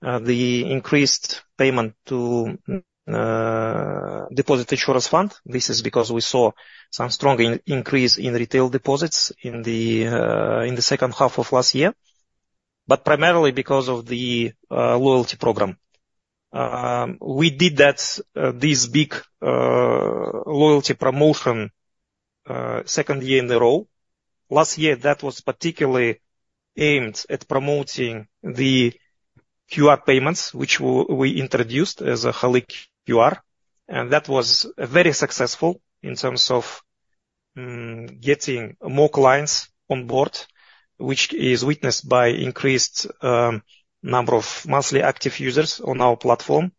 The increased payment to the deposit insurance fund. This is because we saw some strong increase in retail deposits in the second half of last year, but primarily because of the loyalty program. We did this big loyalty promotion the second year in a row. Last year, that was particularly aimed at promoting the QR payments which we introduced as a Halyk QR. And that was very successful in terms of getting more clients on board, which is witnessed by an increased number of monthly active users on our platform.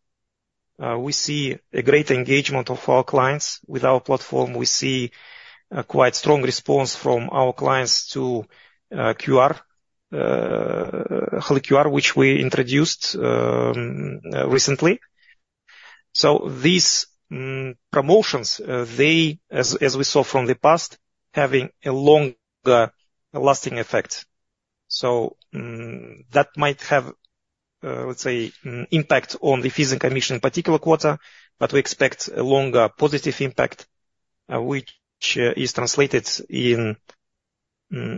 We see a great engagement of our clients with our platform. We see quite a strong response from our clients to Halyk QR, which we introduced recently. So, these promotions, as we saw from the past, are having a longer-lasting effect. So that might have, let's say, an impact on the fees and commission in a particular quarter. But we expect a longer positive impact, which is translated in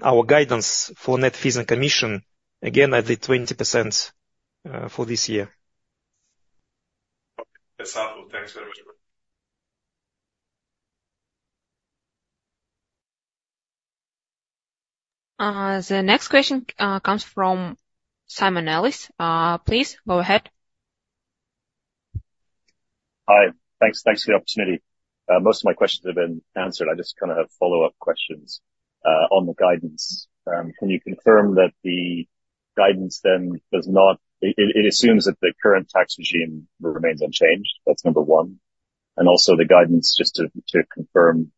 our guidance for net fees and commission, again, at the 20% for this year. Okay. That's helpful. Thanks very much, Murat. The next question comes from Simon Nellis. Please go ahead. Hi. Thanks for the opportunity. Most of my questions have been answered. I just kind of have follow-up questions on the guidance. Can you confirm that the guidance then does not it assumes that the current tax regime remains unchanged. That's number one. And also, the guidance, just to confirm,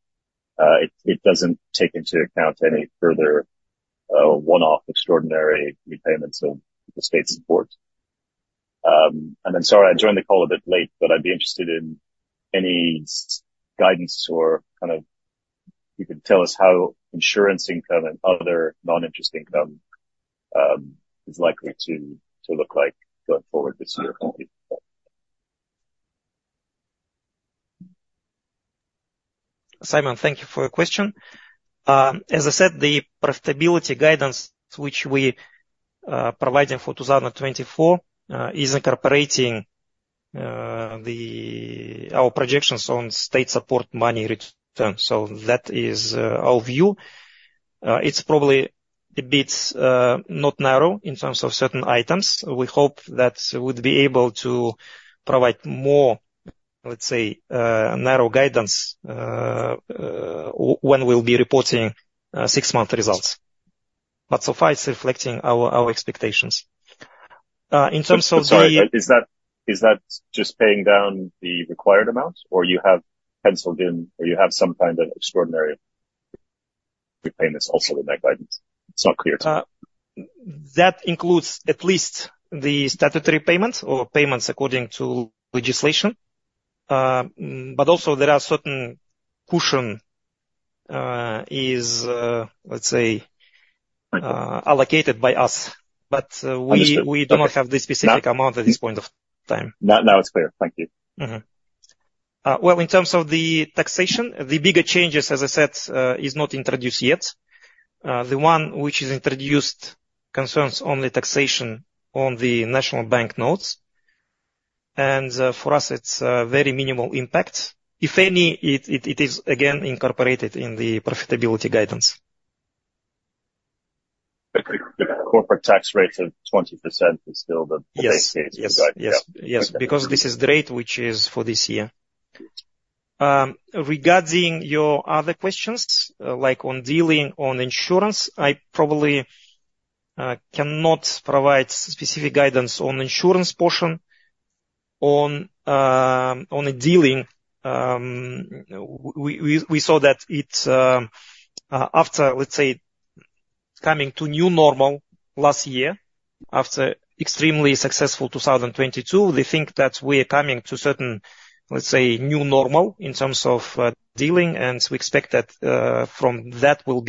it doesn't take into account any further one-off extraordinary repayments of the state support. And then, sorry, I joined the call a bit late, but I'd be interested in any guidance or kind of if you could tell us how insurance income and other non-interest income is likely to look like going forward this year. Thank you. Simon, thank you for your question. As I said, the profitability guidance which we are providing for 2024 is incorporating our projections on state support money return. So that is our view. It's probably a bit not narrow in terms of certain items. We hope that we would be able to provide more, let's say, narrow guidance when we'll be reporting six-month results. But so far, it's reflecting our expectations. In terms of the... Sorry. Is that just paying down the required amount, or you have penciled in or you have some kind of extraordinary repayments also in that guidance? It's not clear to me. That includes at least the statutory payments or payments according to legislation. But also, there are certain cushions that are, let's say, allocated by us. But we do not have the specific amount at this point in time. Now it's clear. Thank you. Well, in terms of the taxation, the bigger changes, as I said, are not introduced yet. The one which is introduced concerns only taxation on the national bank notes. And for us, it's a very minimal impact. If any, it is, again, incorporated in the profitability guidance. The corporate tax rate of 20% is still the base case? Yes. Yes. Yes. Yes. Because this is the rate which is for this year. Regarding your other questions, like on dealing with insurance, I probably cannot provide specific guidance on the insurance portion. On dealing, we saw that after, let's say, coming to new normal last year, after extremely successful 2022, they think that we are coming to a certain, let's say, new normal in terms of dealing. And we expect that from that, we'll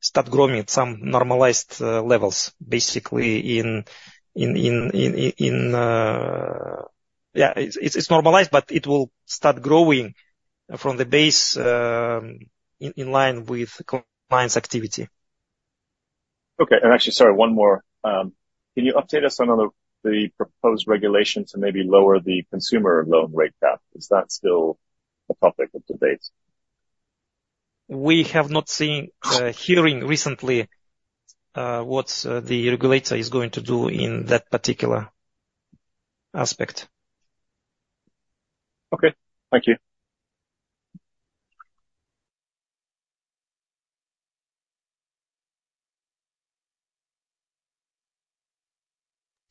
start growing at some normalized levels, basically. Yeah. It's normalized, but it will start growing from the base in line with clients' activity. Okay. Actually, sorry, one more. Can you update us on the proposed regulation to maybe lower the consumer loan rate cap? Is that still a topic of debate? We have not seen or heard recently what the regulator is going to do in that particular aspect. Okay. Thank you.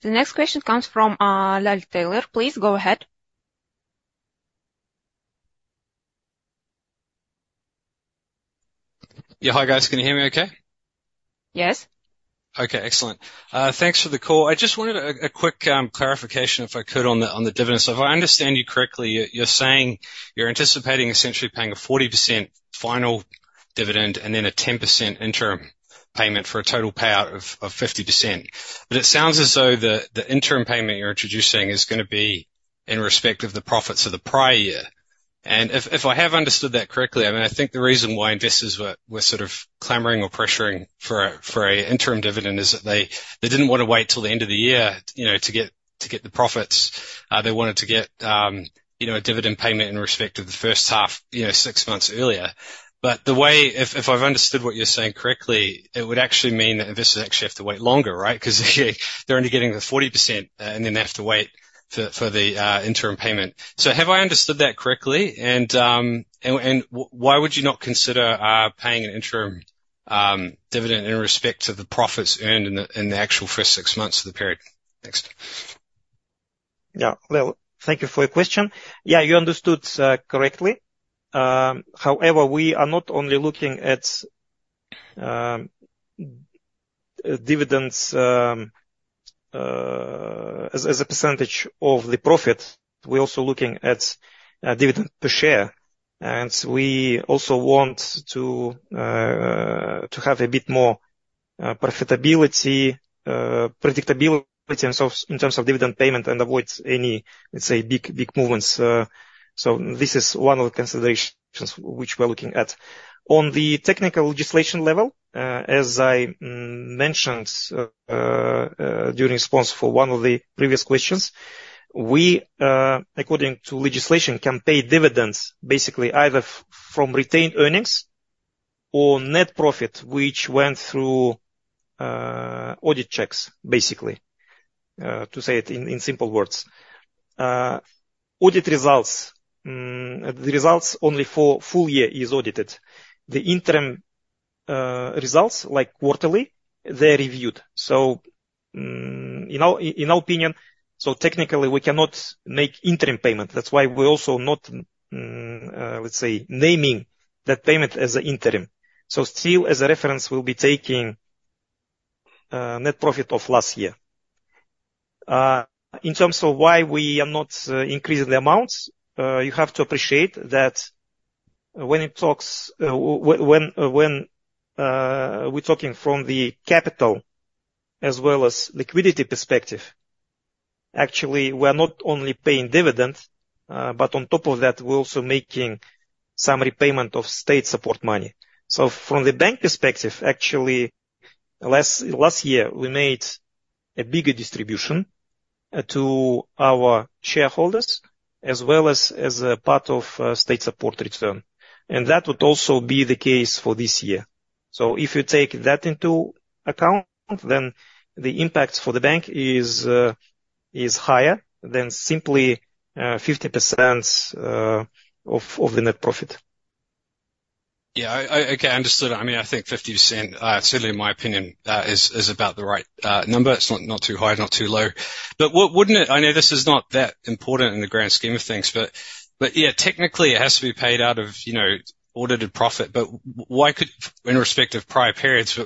The next question comes from Al Tayer. Please go ahead. Yeah. Hi, guys. Can you hear me, okay? Yes. Okay. Excellent. Thanks for the call. I just wanted a quick clarification, if I could, on the dividends. So, if I understand you correctly, you're anticipating essentially paying a 40% final dividend and then a 10% interim payment for a total payout of 50%. But it sounds as though the interim payment you're introducing is going to be in respect of the profits of the prior year. And if I have understood that correctly, I mean, I think the reason why investors were sort of clamoring or pressuring for an interim dividend is that they didn't want to wait till the end of the year to get the profits. They wanted to get a dividend payment in respect of the first half six months earlier. But if I've understood what you're saying correctly, it would actually mean that investors actually have to wait longer, right? Because they're only getting the 40%, and then they have to wait for the interim payment. So have I understood that correctly? And why would you not consider paying an interim dividend in respect to the profits earned in the actual first six months of the period? Thanks. Yeah. Well, thank you for your question. Yeah. You understood correctly. However, we are not only looking at dividends as a percentage of the profit. We're also looking at dividend per share. And we also want to have a bit more profitability, predictability in terms of dividend payment, and avoid any, let's say, big movements. So this is one of the considerations which we're looking at. On the technical legislation level, as I mentioned during the response to one of the previous questions, we, according to legislation, can pay dividends basically either from retained earnings or net profit which went through audit checks, basically, to say it in simple words. The results only for the full year are audited. The interim results, like quarterly, they're reviewed. So, in our opinion, technically, we cannot make interim payments. That's why we're also not, let's say, naming that payment as an interim. Still, as a reference, we'll be taking net profit of last year. In terms of why we are not increasing the amounts, you have to appreciate that when we're talking from the capital as well as liquidity perspective, actually, we're not only paying dividends, but on top of that, we're also making some repayment of state support money. From the bank perspective, actually, last year, we made a bigger distribution to our shareholders as well as a part of state support return. That would also be the case for this year. If you take that into account, then the impact for the bank is higher than simply 50% of the net profit. Yeah. Okay. Understood. I mean, I think 50%, certainly in my opinion, is about the right number. It's not too high, not too low. But wouldn't it? I know this is not that important in the grand scheme of things. But yeah, technically, it has to be paid out of audited profit. But in respect of prior periods,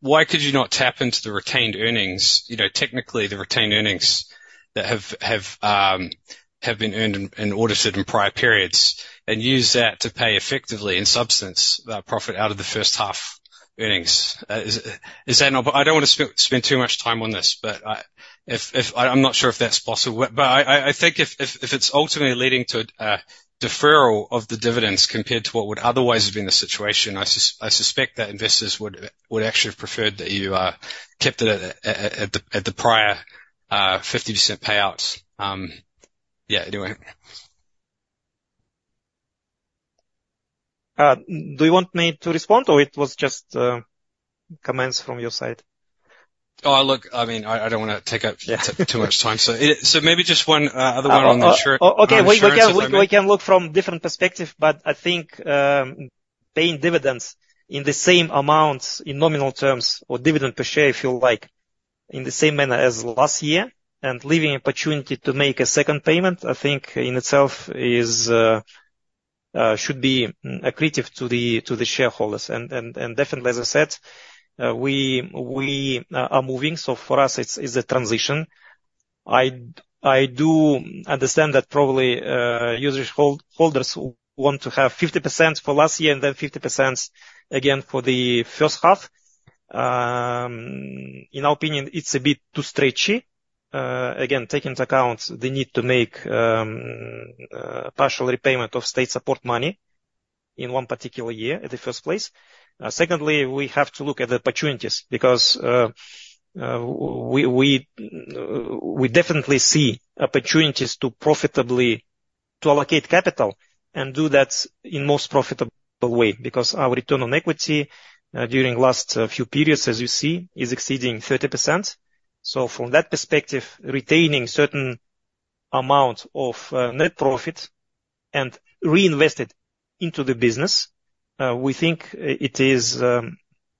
why could you not tap into the retained earnings, technically, the retained earnings that have been earned and audited in prior periods, and use that to pay effectively and substantially profit out of the first half earnings? I don't want to spend too much time on this, but I'm not sure if that's possible. But I think if it's ultimately leading to a deferral of the dividends compared to what would otherwise have been the situation, I suspect that investors would actually have preferred that you kept it at the prior 50% payouts. Yeah. Anyway. Do you want me to respond, or it was just comments from your side? Oh, look. I mean, I don't want to take up too much time. Maybe just one other one on the insurance. Okay. We can look from a different perspective. But I think paying dividends in the same amount in nominal terms or dividend per share, if you like, in the same manner as last year and leaving an opportunity to make a second payment, I think in itself should be accretive to the shareholders. And definitely, as I said, we are moving. So, for us, it's a transition. I do understand that probably shareholders want to have 50% for last year and then 50% again for the first half. In our opinion, it's a bit too stretchy, again, taking into account the need to make partial repayment of state support money in one particular year in the first place. Secondly, we have to look at the opportunities because we definitely see opportunities to allocate capital and do that in the most profitable way because our return on equity during the last few periods, as you see, is exceeding 30%. So from that perspective, retaining a certain amount of net profit and reinvesting it into the business, we think it is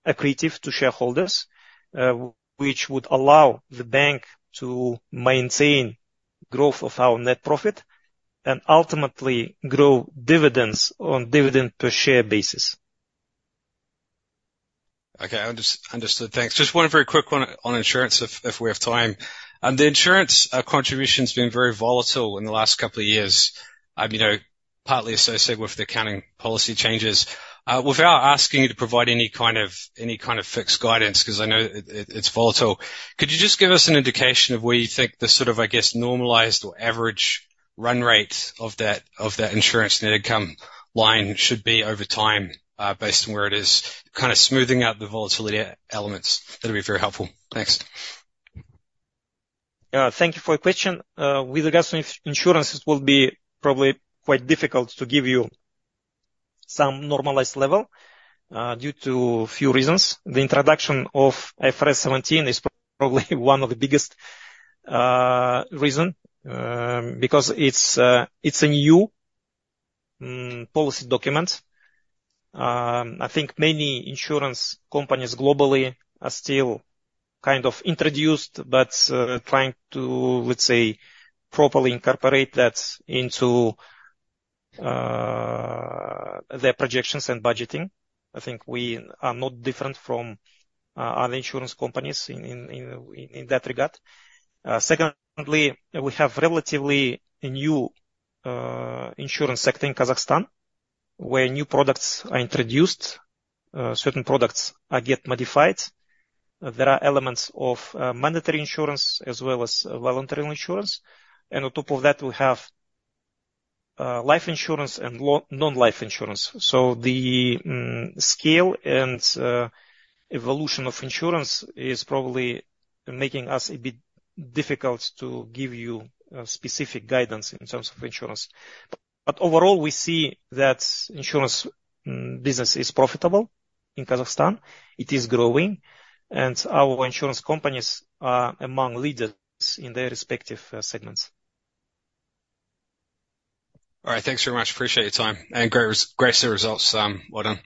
accretive to shareholders, which would allow the bank to maintain growth of our net profit and ultimately grow dividends on a dividend-per-share basis. Okay. Understood. Thanks. Just one very quick one on insurance, if we have time. The insurance contribution has been very volatile in the last couple of years, partly associated with the accounting policy changes. Without asking you to provide any kind of fixed guidance because I know it's volatile, could you just give us an indication of where you think the sort of, I guess, normalized or average run rate of that insurance net income line should be over time based on where it is kind of smoothing out the volatility elements? That would be very helpful. Thanks. Thank you for your question. With regards to insurance, it will be probably quite difficult to give you some normalized level due to a few reasons. The introduction of IFRS 17 is probably one of the biggest reasons because it's a new policy document. I think many insurance companies globally are still kind of introduced but trying to, let's say, properly incorporate that into their projections and budgeting. I think we are not different from other insurance companies in that regard. Secondly, we have a relatively new insurance sector in Kazakhstan where new products are introduced. Certain products get modified. There are elements of mandatory insurance as well as voluntary insurance. And on top of that, we have life insurance and non-life insurance. So, the scale and evolution of insurance is probably making us a bit difficult to give you specific guidance in terms of insurance. Overall, we see that insurance business is profitable in Kazakhstan. It is growing. Our insurance companies are among leaders in their respective segments. All right. Thanks very much. Appreciate your time and great results. Well done.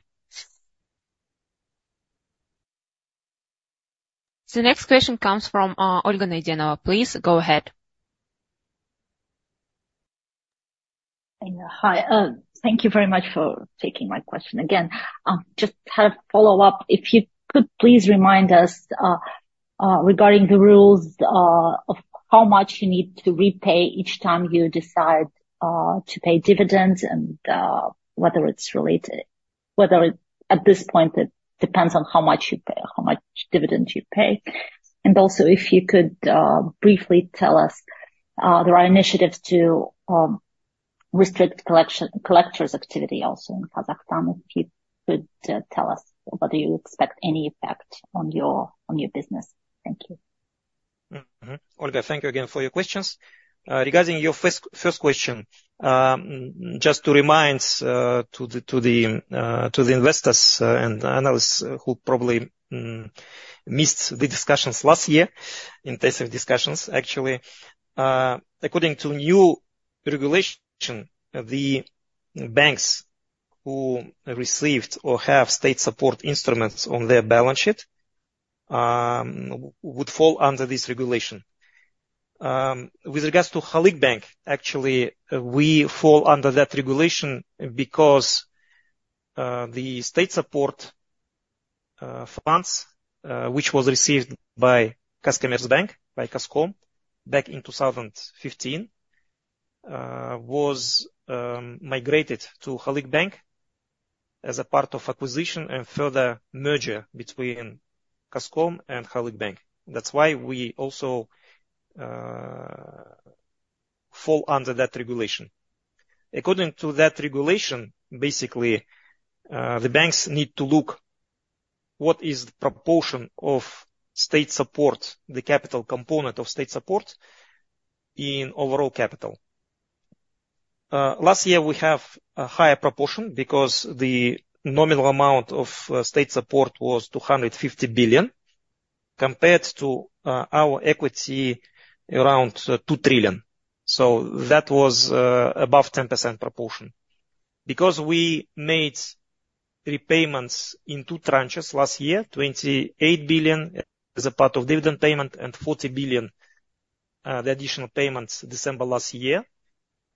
The next question comes from Olga Naydenova. Please go ahead. Hi. Thank you very much for taking my question again. Just had a follow-up. If you could please remind us regarding the rules of how much you need to repay each time you decide to pay dividends and whether it's related whether at this point, it depends on how much dividend you pay? And also, if you could briefly tell us, there are initiatives to restrict collectors' activity also in Kazakhstan. If you could tell us whether you expect any effect on your business? Thank you. Olga, thank you again for your questions. Regarding your first question, just to remind the investors and analysts who probably missed the discussions last year, intensive discussions, actually, according to new regulation, the banks who received or have state support instruments on their balance sheet would fall under this regulation. With regards to Halyk Bank, actually, we fall under that regulation because the state support funds, which was received by Kazkommertsbank, by Kazkom, back in 2015, was migrated to Halyk Bank as a part of acquisition and further merger between Kazkom and Halyk Bank. That's why we also fall under that regulation. According to that regulation, basically, the banks need to look at what is the proportion of state support, the capital component of state support, in overall capital. Last year, we have a higher proportion because the nominal amount of state support was KZT 250 billion compared to our equity around KZT 2 trillion. So that was above 10% proportion. Because we made repayments in two tranches last year, KZT 28 billion as a part of dividend payment and KZT 40 billion, the additional payments, December last year.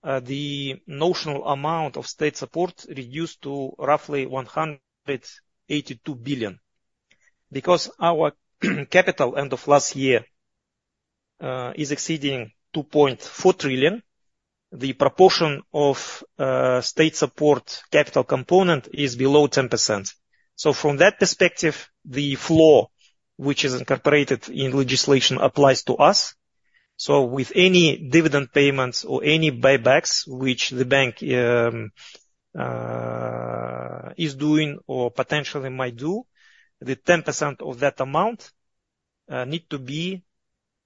The notional amount of state support reduced to roughly KZT 182 billion. Because our capital end of last year is exceeding KZT 2.4 trillion, the proportion of state support capital component is below 10%. So, from that perspective, the floor, which is incorporated in legislation, applies to us. So, with any dividend payments or any buybacks which the bank is doing or potentially might do, the 10% of that amount needs to be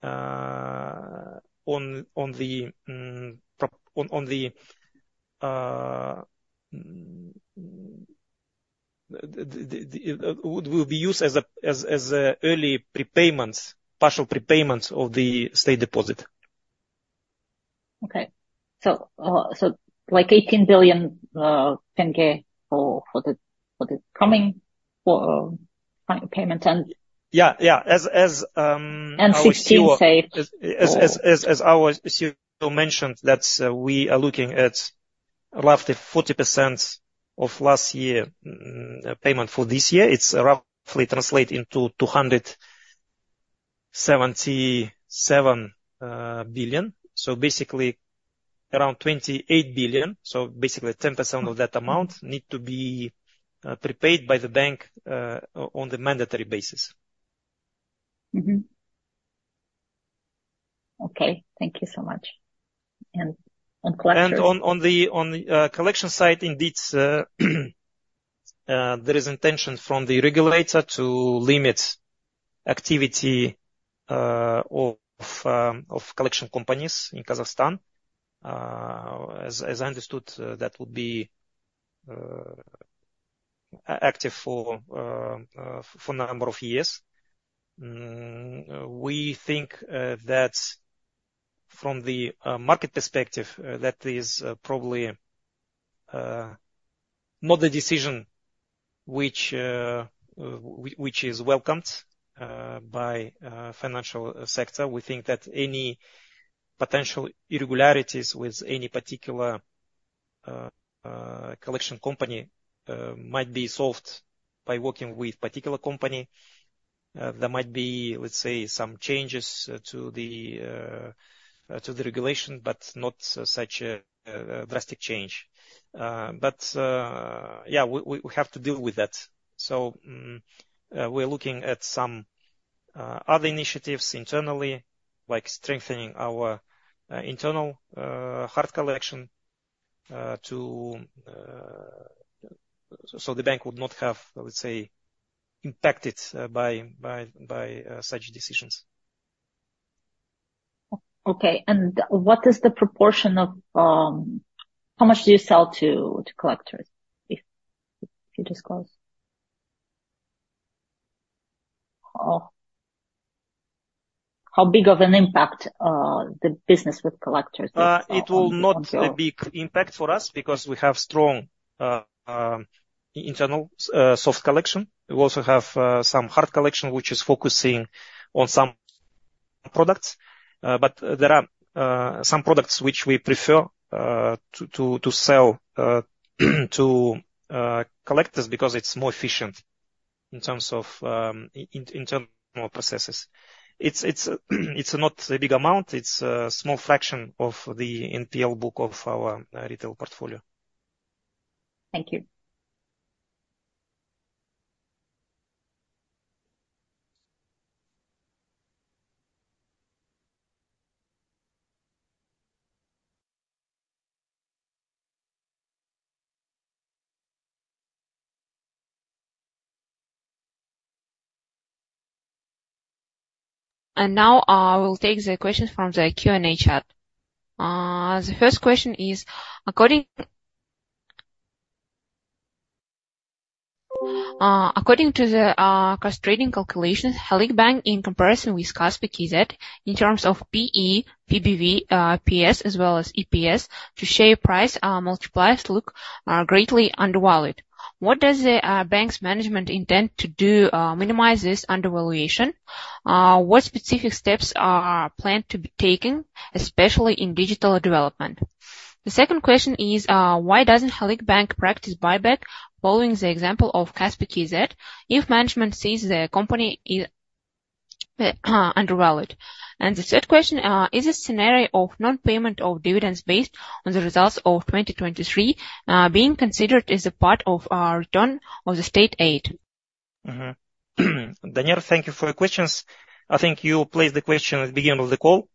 on the it will be used as early partial prepayments of the state deposit. Okay. So, like KZT 18 billion for the coming payment? And how you feel? Yeah. Yeah. As our CEO says... KZT 16 billion? As our CEO mentioned, we are looking at roughly 40% of last year's payment for this year. It's roughly translated into KZT 277 billion. So basically, around KZT 28 billion. So basically, 10% of that amount needs to be prepaid by the bank on a mandatory basis. Okay. Thank you so much. Collectors? And on the collection side, indeed, there is intention from the regulator to limit activity of collection companies in Kazakhstan. As I understood, that would be active for a number of years. We think that from the market perspective, that is probably not a decision which is welcomed by the financial sector. We think that any potential irregularities with any particular collection company might be solved by working with a particular company. There might be, let's say, some changes to the regulation, but not such a drastic change. But yeah, we have to deal with that. So, we're looking at some other initiatives internally, like strengthening our internal hard collection so the bank would not have, let's say, been impacted by such decisions. Okay. What is the proportion of how much do you sell to collectors? If you disclose. How big of an impact the business with collectors is? It will not be a big impact for us because we have strong internal soft collection. We also have some hard collection which is focusing on some products. But there are some products which we prefer to sell to collectors because it's more efficient in terms of internal processes. It's not a big amount. It's a small fraction of the NPL book of our retail portfolio. Thank you. Now we'll take the questions from the Q&A chat. The first question is, according to the comps trading calculations, Halyk Bank, in comparison with Kaspi.kz, in terms of PE, PBV, PS, as well as EPS, the share price multipliers look greatly undervalued. What does the bank's management intend to do to minimize this undervaluation? What specific steps are planned to be taken, especially in digital development? The second question is, why doesn't Halyk Bank practice buyback following the example of Kaspi.kz if management sees the company is undervalued? And the third question is, is a scenario of non-payment of dividends based on the results of 2023 being considered as a part of our return of the state aid? Daniyar, thank you for your questions. I think you placed the question at the beginning of the call.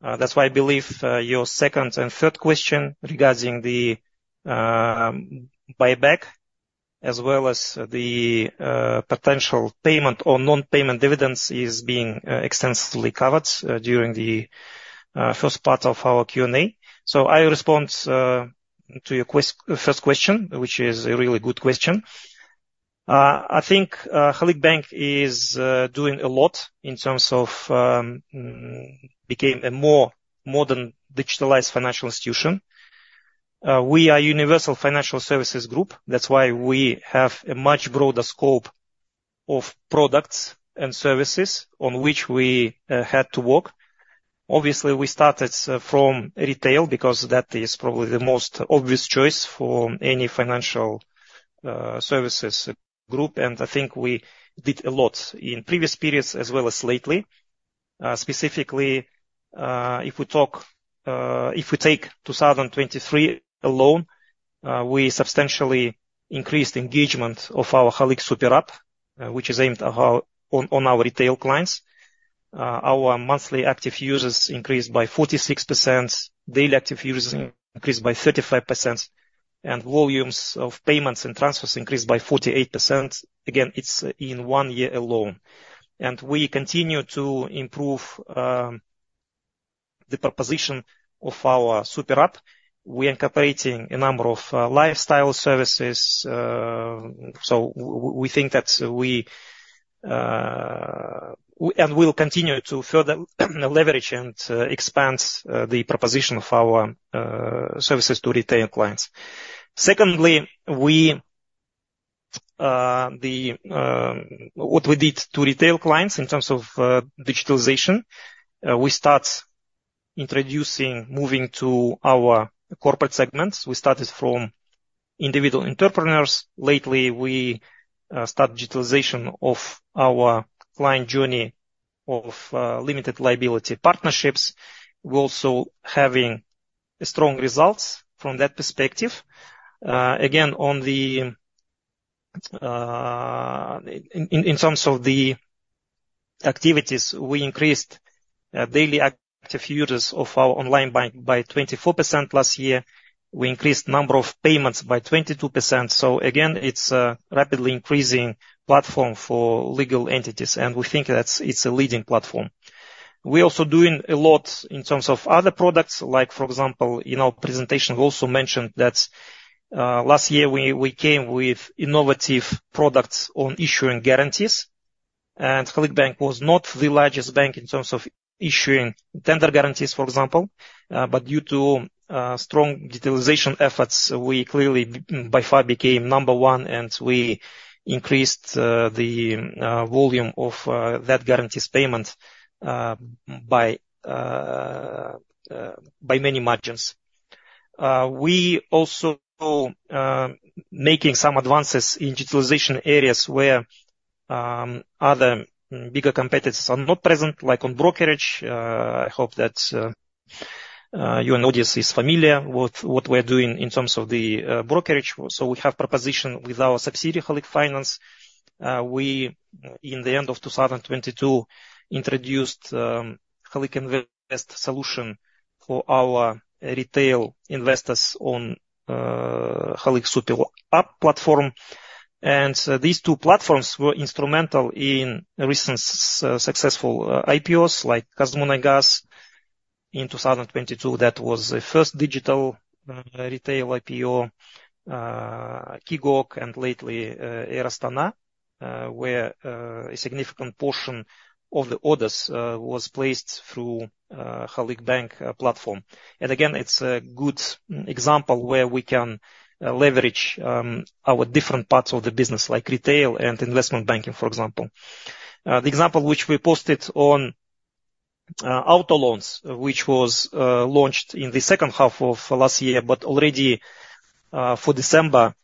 That's why I believe your second and third question regarding the buyback as well as the potential payment or non-payment dividends is being extensively covered during the first part of our Q&A. So I will respond to your first question, which is a really good question. I think Halyk Bank is doing a lot in terms of becoming a more modern digitalized financial institution. We are a universal financial services group. That's why we have a much broader scope of products and services on which we had to work. Obviously, we started from retail because that is probably the most obvious choice for any financial services group. I think we did a lot in previous periods as well as lately. Specifically, if we take 2023 alone, we substantially increased the engagement of our Halyk Super App, which is aimed on our retail clients. Our monthly active users increased by 46%, daily active users increased by 35%, and volumes of payments and transfers increased by 48%. Again, it's in one year alone. We continue to improve the proposition of our Super App. We are incorporating a number of lifestyle services. We think that we and we'll continue to further leverage and expand the proposition of our services to retail clients. Secondly, what we did to retail clients in terms of digitalization, we started moving to our corporate segments. We started from individual entrepreneurs. Lately, we started digitalization of our client journey of limited liability partnerships. We're also having strong results from that perspective. Again, in terms of the activities, we increased daily active users of our Onlinebank by 24% last year. We increased the number of payments by 22%. So again, it's a rapidly increasing platform for legal entities. And we think that it's a leading platform. We're also doing a lot in terms of other products. Like, for example, in our presentation, we also mentioned that last year, we came with innovative products on issuing guarantees. And Halyk Bank was not the largest bank in terms of issuing tender guarantees, for example. But due to strong digitalization efforts, we clearly, by far, became number one. And we increased the volume of that guarantee's payment by many margins. We're also making some advances in digitalization areas where other bigger competitors are not present, like on brokerage. I hope that your audience is familiar with what we're doing in terms of the brokerage. So we have a proposition with our subsidiary, Halyk Finance. We, in the end of 2022, introduced Halyk Invest solution for our retail investors on Halyk Super App platform. These two platforms were instrumental in recent successful IPOs like KazMunayGas. In 2022, that was the first digital retail IPO, KEGOC, and lately, Air Astana, where a significant portion of the orders was placed through Halyk Bank platform. Again, it's a good example where we can leverage our different parts of the business, like retail and investment banking, for example. The example which we posted on auto loans, which was launched in the second half of last year, but already for December,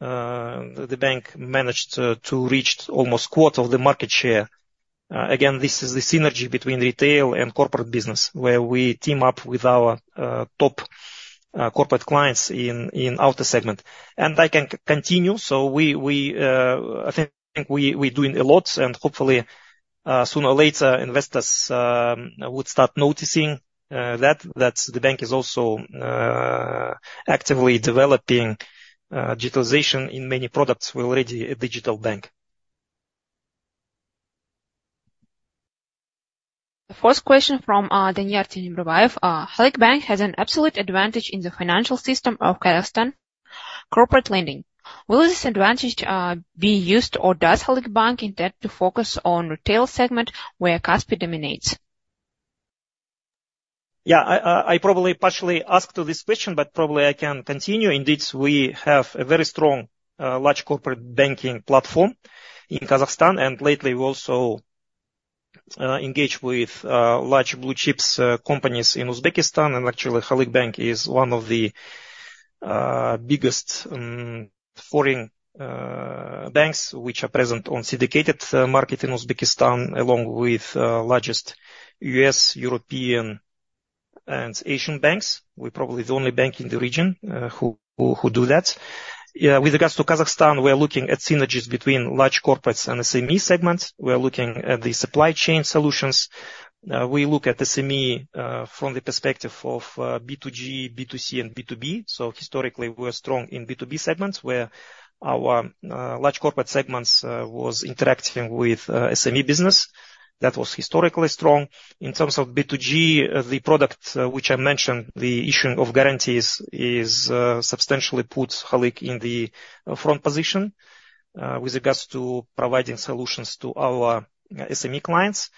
the bank managed to reach almost a quarter of the market share. This is the synergy between retail and corporate business where we team up with our top corporate clients in the auto segment. I can continue. I think we're doing a lot. Hopefully, sooner or later, investors would start noticing that the bank is also actively developing digitalization in many products. We're already a digital bank. The fourth question from Daniyar Temirbayev: Halyk Bank has an absolute advantage in the financial system of Kazakhstan: corporate lending. Will this advantage be used, or does Halyk Bank intend to focus on the retail segment where Kaspi.kz dominates? Yeah. I probably partially asked this question, but probably I can continue. Indeed, we have a very strong large corporate banking platform in Kazakhstan. Lately, we also engage with large blue-chip companies in Uzbekistan. Actually, Halyk Bank is one of the biggest foreign banks which are present on the syndicated market in Uzbekistan, along with the largest US, European, and Asian banks. We're probably the only bank in the region who do that. With regards to Kazakhstan, we're looking at synergies between large corporates and SME segments. We're looking at the supply chain solutions. We look at SME from the perspective of B2G, B2C, and B2B. So historically, we're strong in the B2B segment where our large corporate segments were interacting with SME business. That was historically strong. In terms of B2G, the product which I mentioned, the issuing of guarantees, substantially put Halyk in the front position with regards to providing solutions to our SME clients.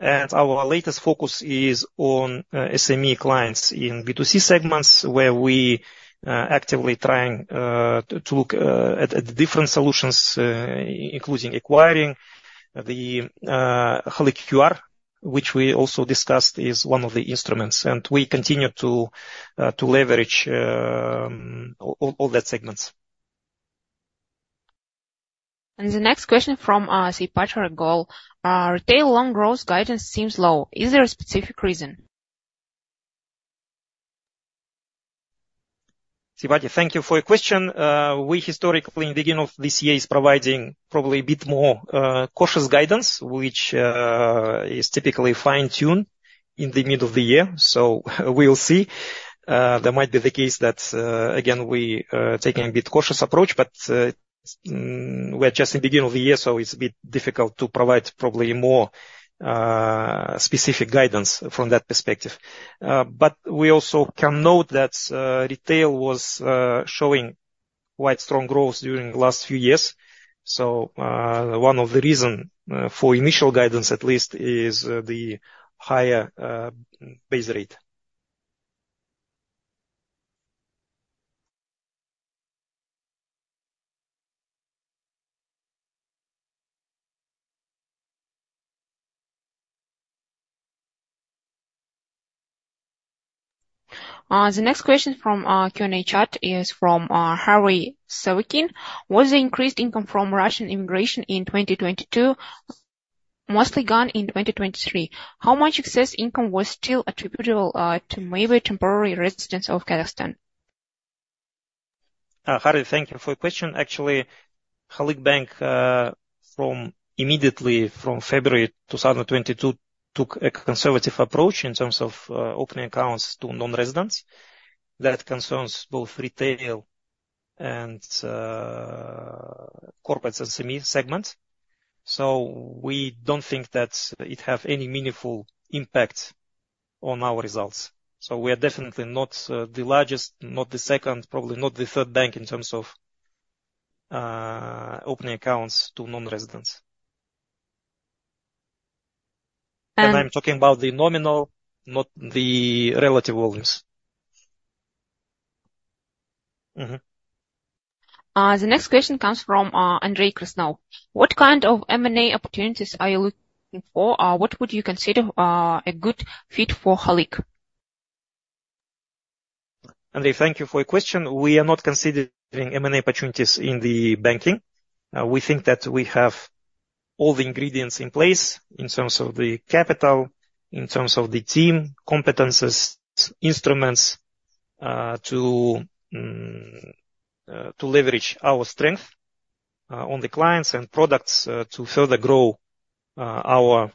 Our latest focus is on SME clients in the B2C segments where we're actively trying to look at different solutions, including acquiring the Halyk QR, which we also discussed is one of the instruments. We continue to leverage all those segments. The next question from Sipacharagol: retail loan growth guidance seems low. Is there a specific reason? Sipachar, thank you for your question. Historically, in the beginning of this year, we're providing probably a bit more cautious guidance, which is typically fine-tuned in the middle of the year. So, we'll see. There might be the case that, again, we're taking a bit cautious approach. But we're just in the beginning of the year, so it's a bit difficult to provide probably more specific guidance from that perspective. But we also can note that retail was showing quite strong growth during the last few years. So, one of the reasons for initial guidance, at least, is the higher base rate. The next question from our Q&A chat is from Harry Savikhin: Was the increased income from Russian immigration in 2022 mostly gone in 2023? How much excess income was still attributable to maybe temporary residents of Kazakhstan? Harry, thank you for your question. Actually, Halyk Bank, immediately from February 2022, took a conservative approach in terms of opening accounts to non-residents. That concerns both retail and corporate SME segments. We don't think that it has any meaningful impact on our results. We are definitely not the largest, not the second, probably not the third bank in terms of opening accounts to non-residents. I'm talking about the nominal, not the relative volumes. The next question comes from Andrey Krasnov: what kind of M&A opportunities are you looking for? What would you consider a good fit for Halyk? Andrey, thank you for your question. We are not considering M&A opportunities in the banking. We think that we have all the ingredients in place in terms of the capital, in terms of the team, competencies, instruments to leverage our strength on the clients and products to further grow our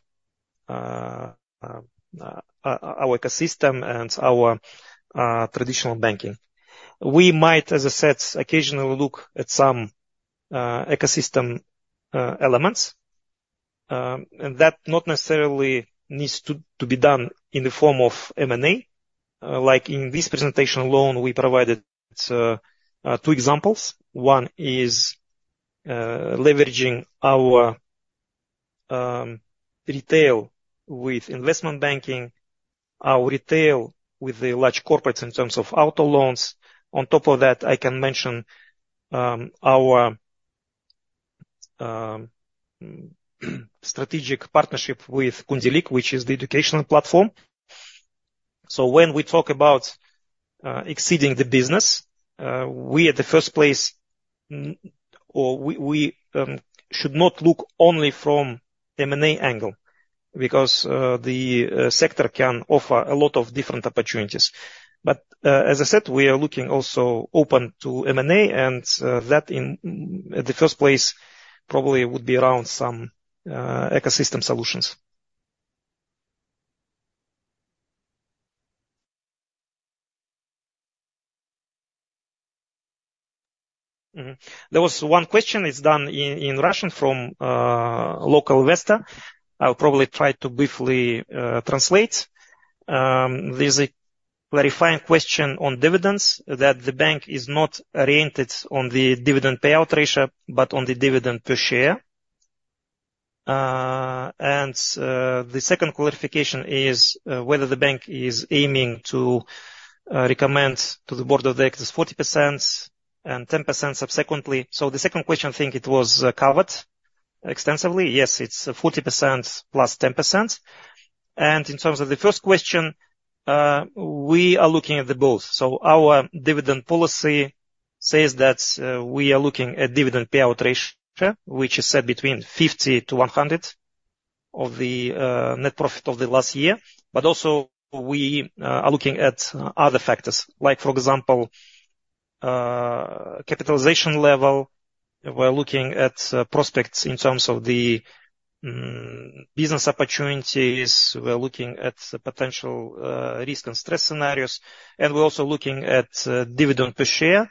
ecosystem and our traditional banking. We might, as I said, occasionally look at some ecosystem elements. And that not necessarily needs to be done in the form of M&A. Like in this presentation alone, we provided two examples. One is leveraging our retail with investment banking, our retail with the large corporates in terms of auto loans. On top of that, I can mention our strategic partnership with Kundalik, which is the educational platform. So, when we talk about exceeding the business, we are the first place, or we should not look only from the M&A angle because the sector can offer a lot of different opportunities. But as I said, we are looking also open to M&A. And that, in the first place, probably would be around some ecosystem solutions. There was one question. It's done in Russian from local investor. I'll probably try to briefly translate. There's a clarifying question on dividends that the bank is not oriented on the dividend payout ratio, but on the dividend per share. And the second clarification is whether the bank is aiming to recommend to the board of directors 40% and 10% subsequently. So, the second question, I think it was covered extensively. Yes, it's 40% plus 10%. And in terms of the first question, we are looking at both. So, our dividend policy says that we are looking at a dividend payout ratio, which is set between 50% to 100% of the net profit of the last year. But also, we are looking at other factors, like, for example, capitalization level. We're looking at prospects in terms of the business opportunities. We're looking at potential risk and stress scenarios. And we're also looking at dividend per share.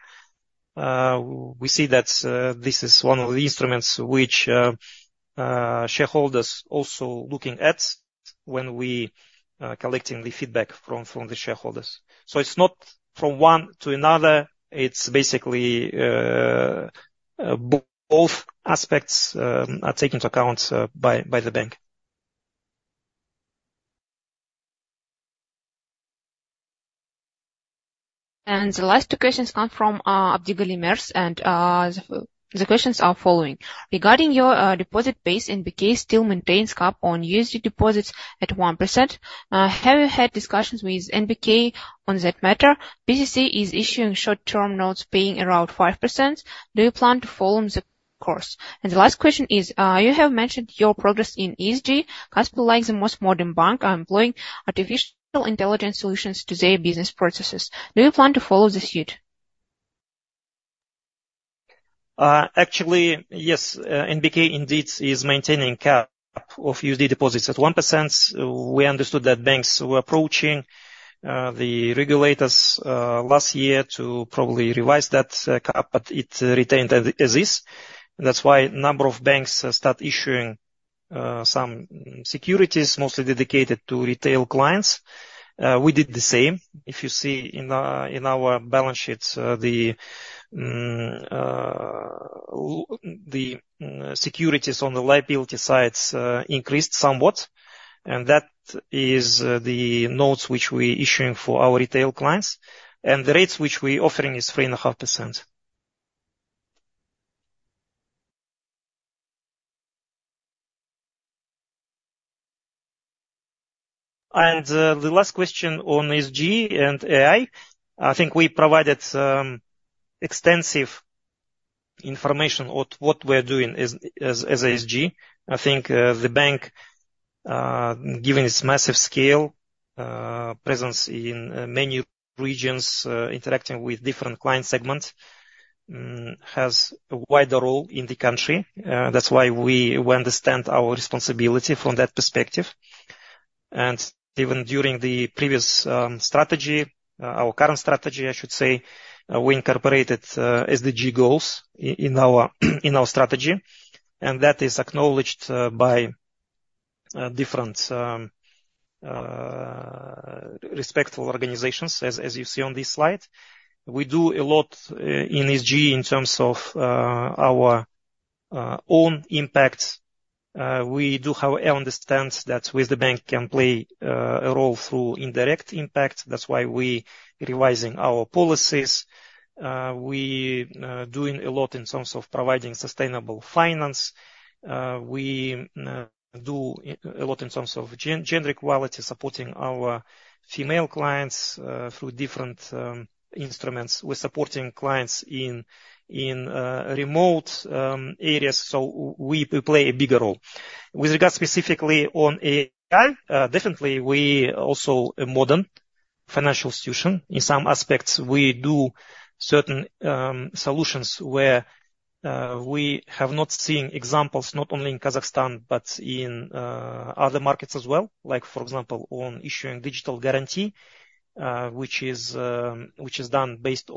We see that this is one of the instruments which shareholders are also looking at when we're collecting the feedback from the shareholders. So, it's not from one to another. It's basically both aspects are taken into account by the bank. The last two questions come from Abdigaulimers. The questions are following: regarding your deposit base, NBK still maintains cap on USD deposits at 1%. Have you had discussions with NBK on that matter? BCC is issuing short-term notes paying around 5%. Do you plan to follow the course? And the last question is: you have mentioned your progress in ESG. Kaspi.kz is the most modern bank employing artificial intelligence solutions to their business processes. Do you plan to follow suit? Actually, yes. NBK, indeed, is maintaining a cap of USD deposits at 1%. We understood that banks were approaching the regulators last year to probably revise that cap, but it retained as is. That's why a number of banks started issuing some securities mostly dedicated to retail clients. We did the same. If you see in our balance sheets, the securities on the liability sides increased somewhat. And that is the notes which we're issuing for our retail clients. And the rates which we're offering are 3.5%. And the last question on ESG and AI: I think we provided extensive information on what we're doing as ESG. I think the bank, given its massive scale, presence in many regions, interacting with different client segments, has a wider role in the country. That's why we understand our responsibility from that perspective. Even during the previous strategy, our current strategy, I should say, we incorporated SDG goals in our strategy. That is acknowledged by different respectful organizations, as you see on this slide. We do a lot in ESG in terms of our own impact. We do, however, understand that the bank can play a role through indirect impact. That's why we're revising our policies. We're doing a lot in terms of providing sustainable finance. We do a lot in terms of gender equality, supporting our female clients through different instruments. We're supporting clients in remote areas. So, we play a bigger role. With regards specifically to AI, definitely, we're also a modern financial institution. In some aspects, we do certain solutions where we have not seen examples not only in Kazakhstan but in other markets as well, like, for example, on issuing digital guarantee, which is done based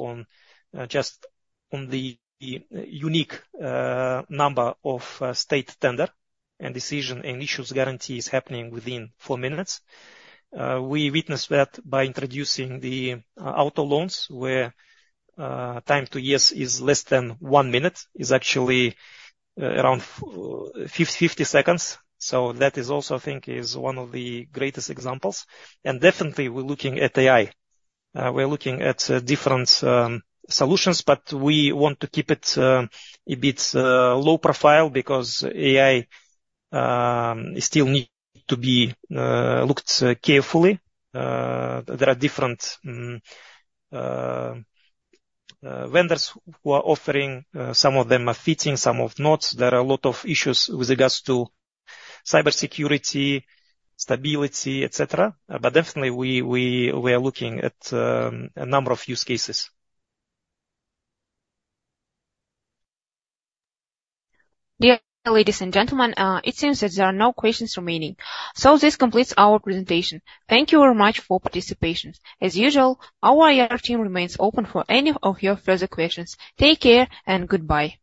just on the unique number of state tenders and decisions and issues guarantee is happening within four minutes. We witnessed that by introducing the auto loans where time to yes is less than one minute, is actually around 50 seconds. So that is also, I think, one of the greatest examples. And definitely, we're looking at AI. We're looking at different solutions, but we want to keep it a bit low-profile because AI still needs to be looked at carefully. There are different vendors who are offering. Some of them are fitting, some are not. There are a lot of issues with regards to cybersecurity, stability, etc. Definitely, we are looking at a number of use cases. Dear ladies and gentlemen, it seems that there are no questions remaining. This completes our presentation. Thank you very much for participation. As usual, our IR team remains open for any of your further questions. Take care and goodbye.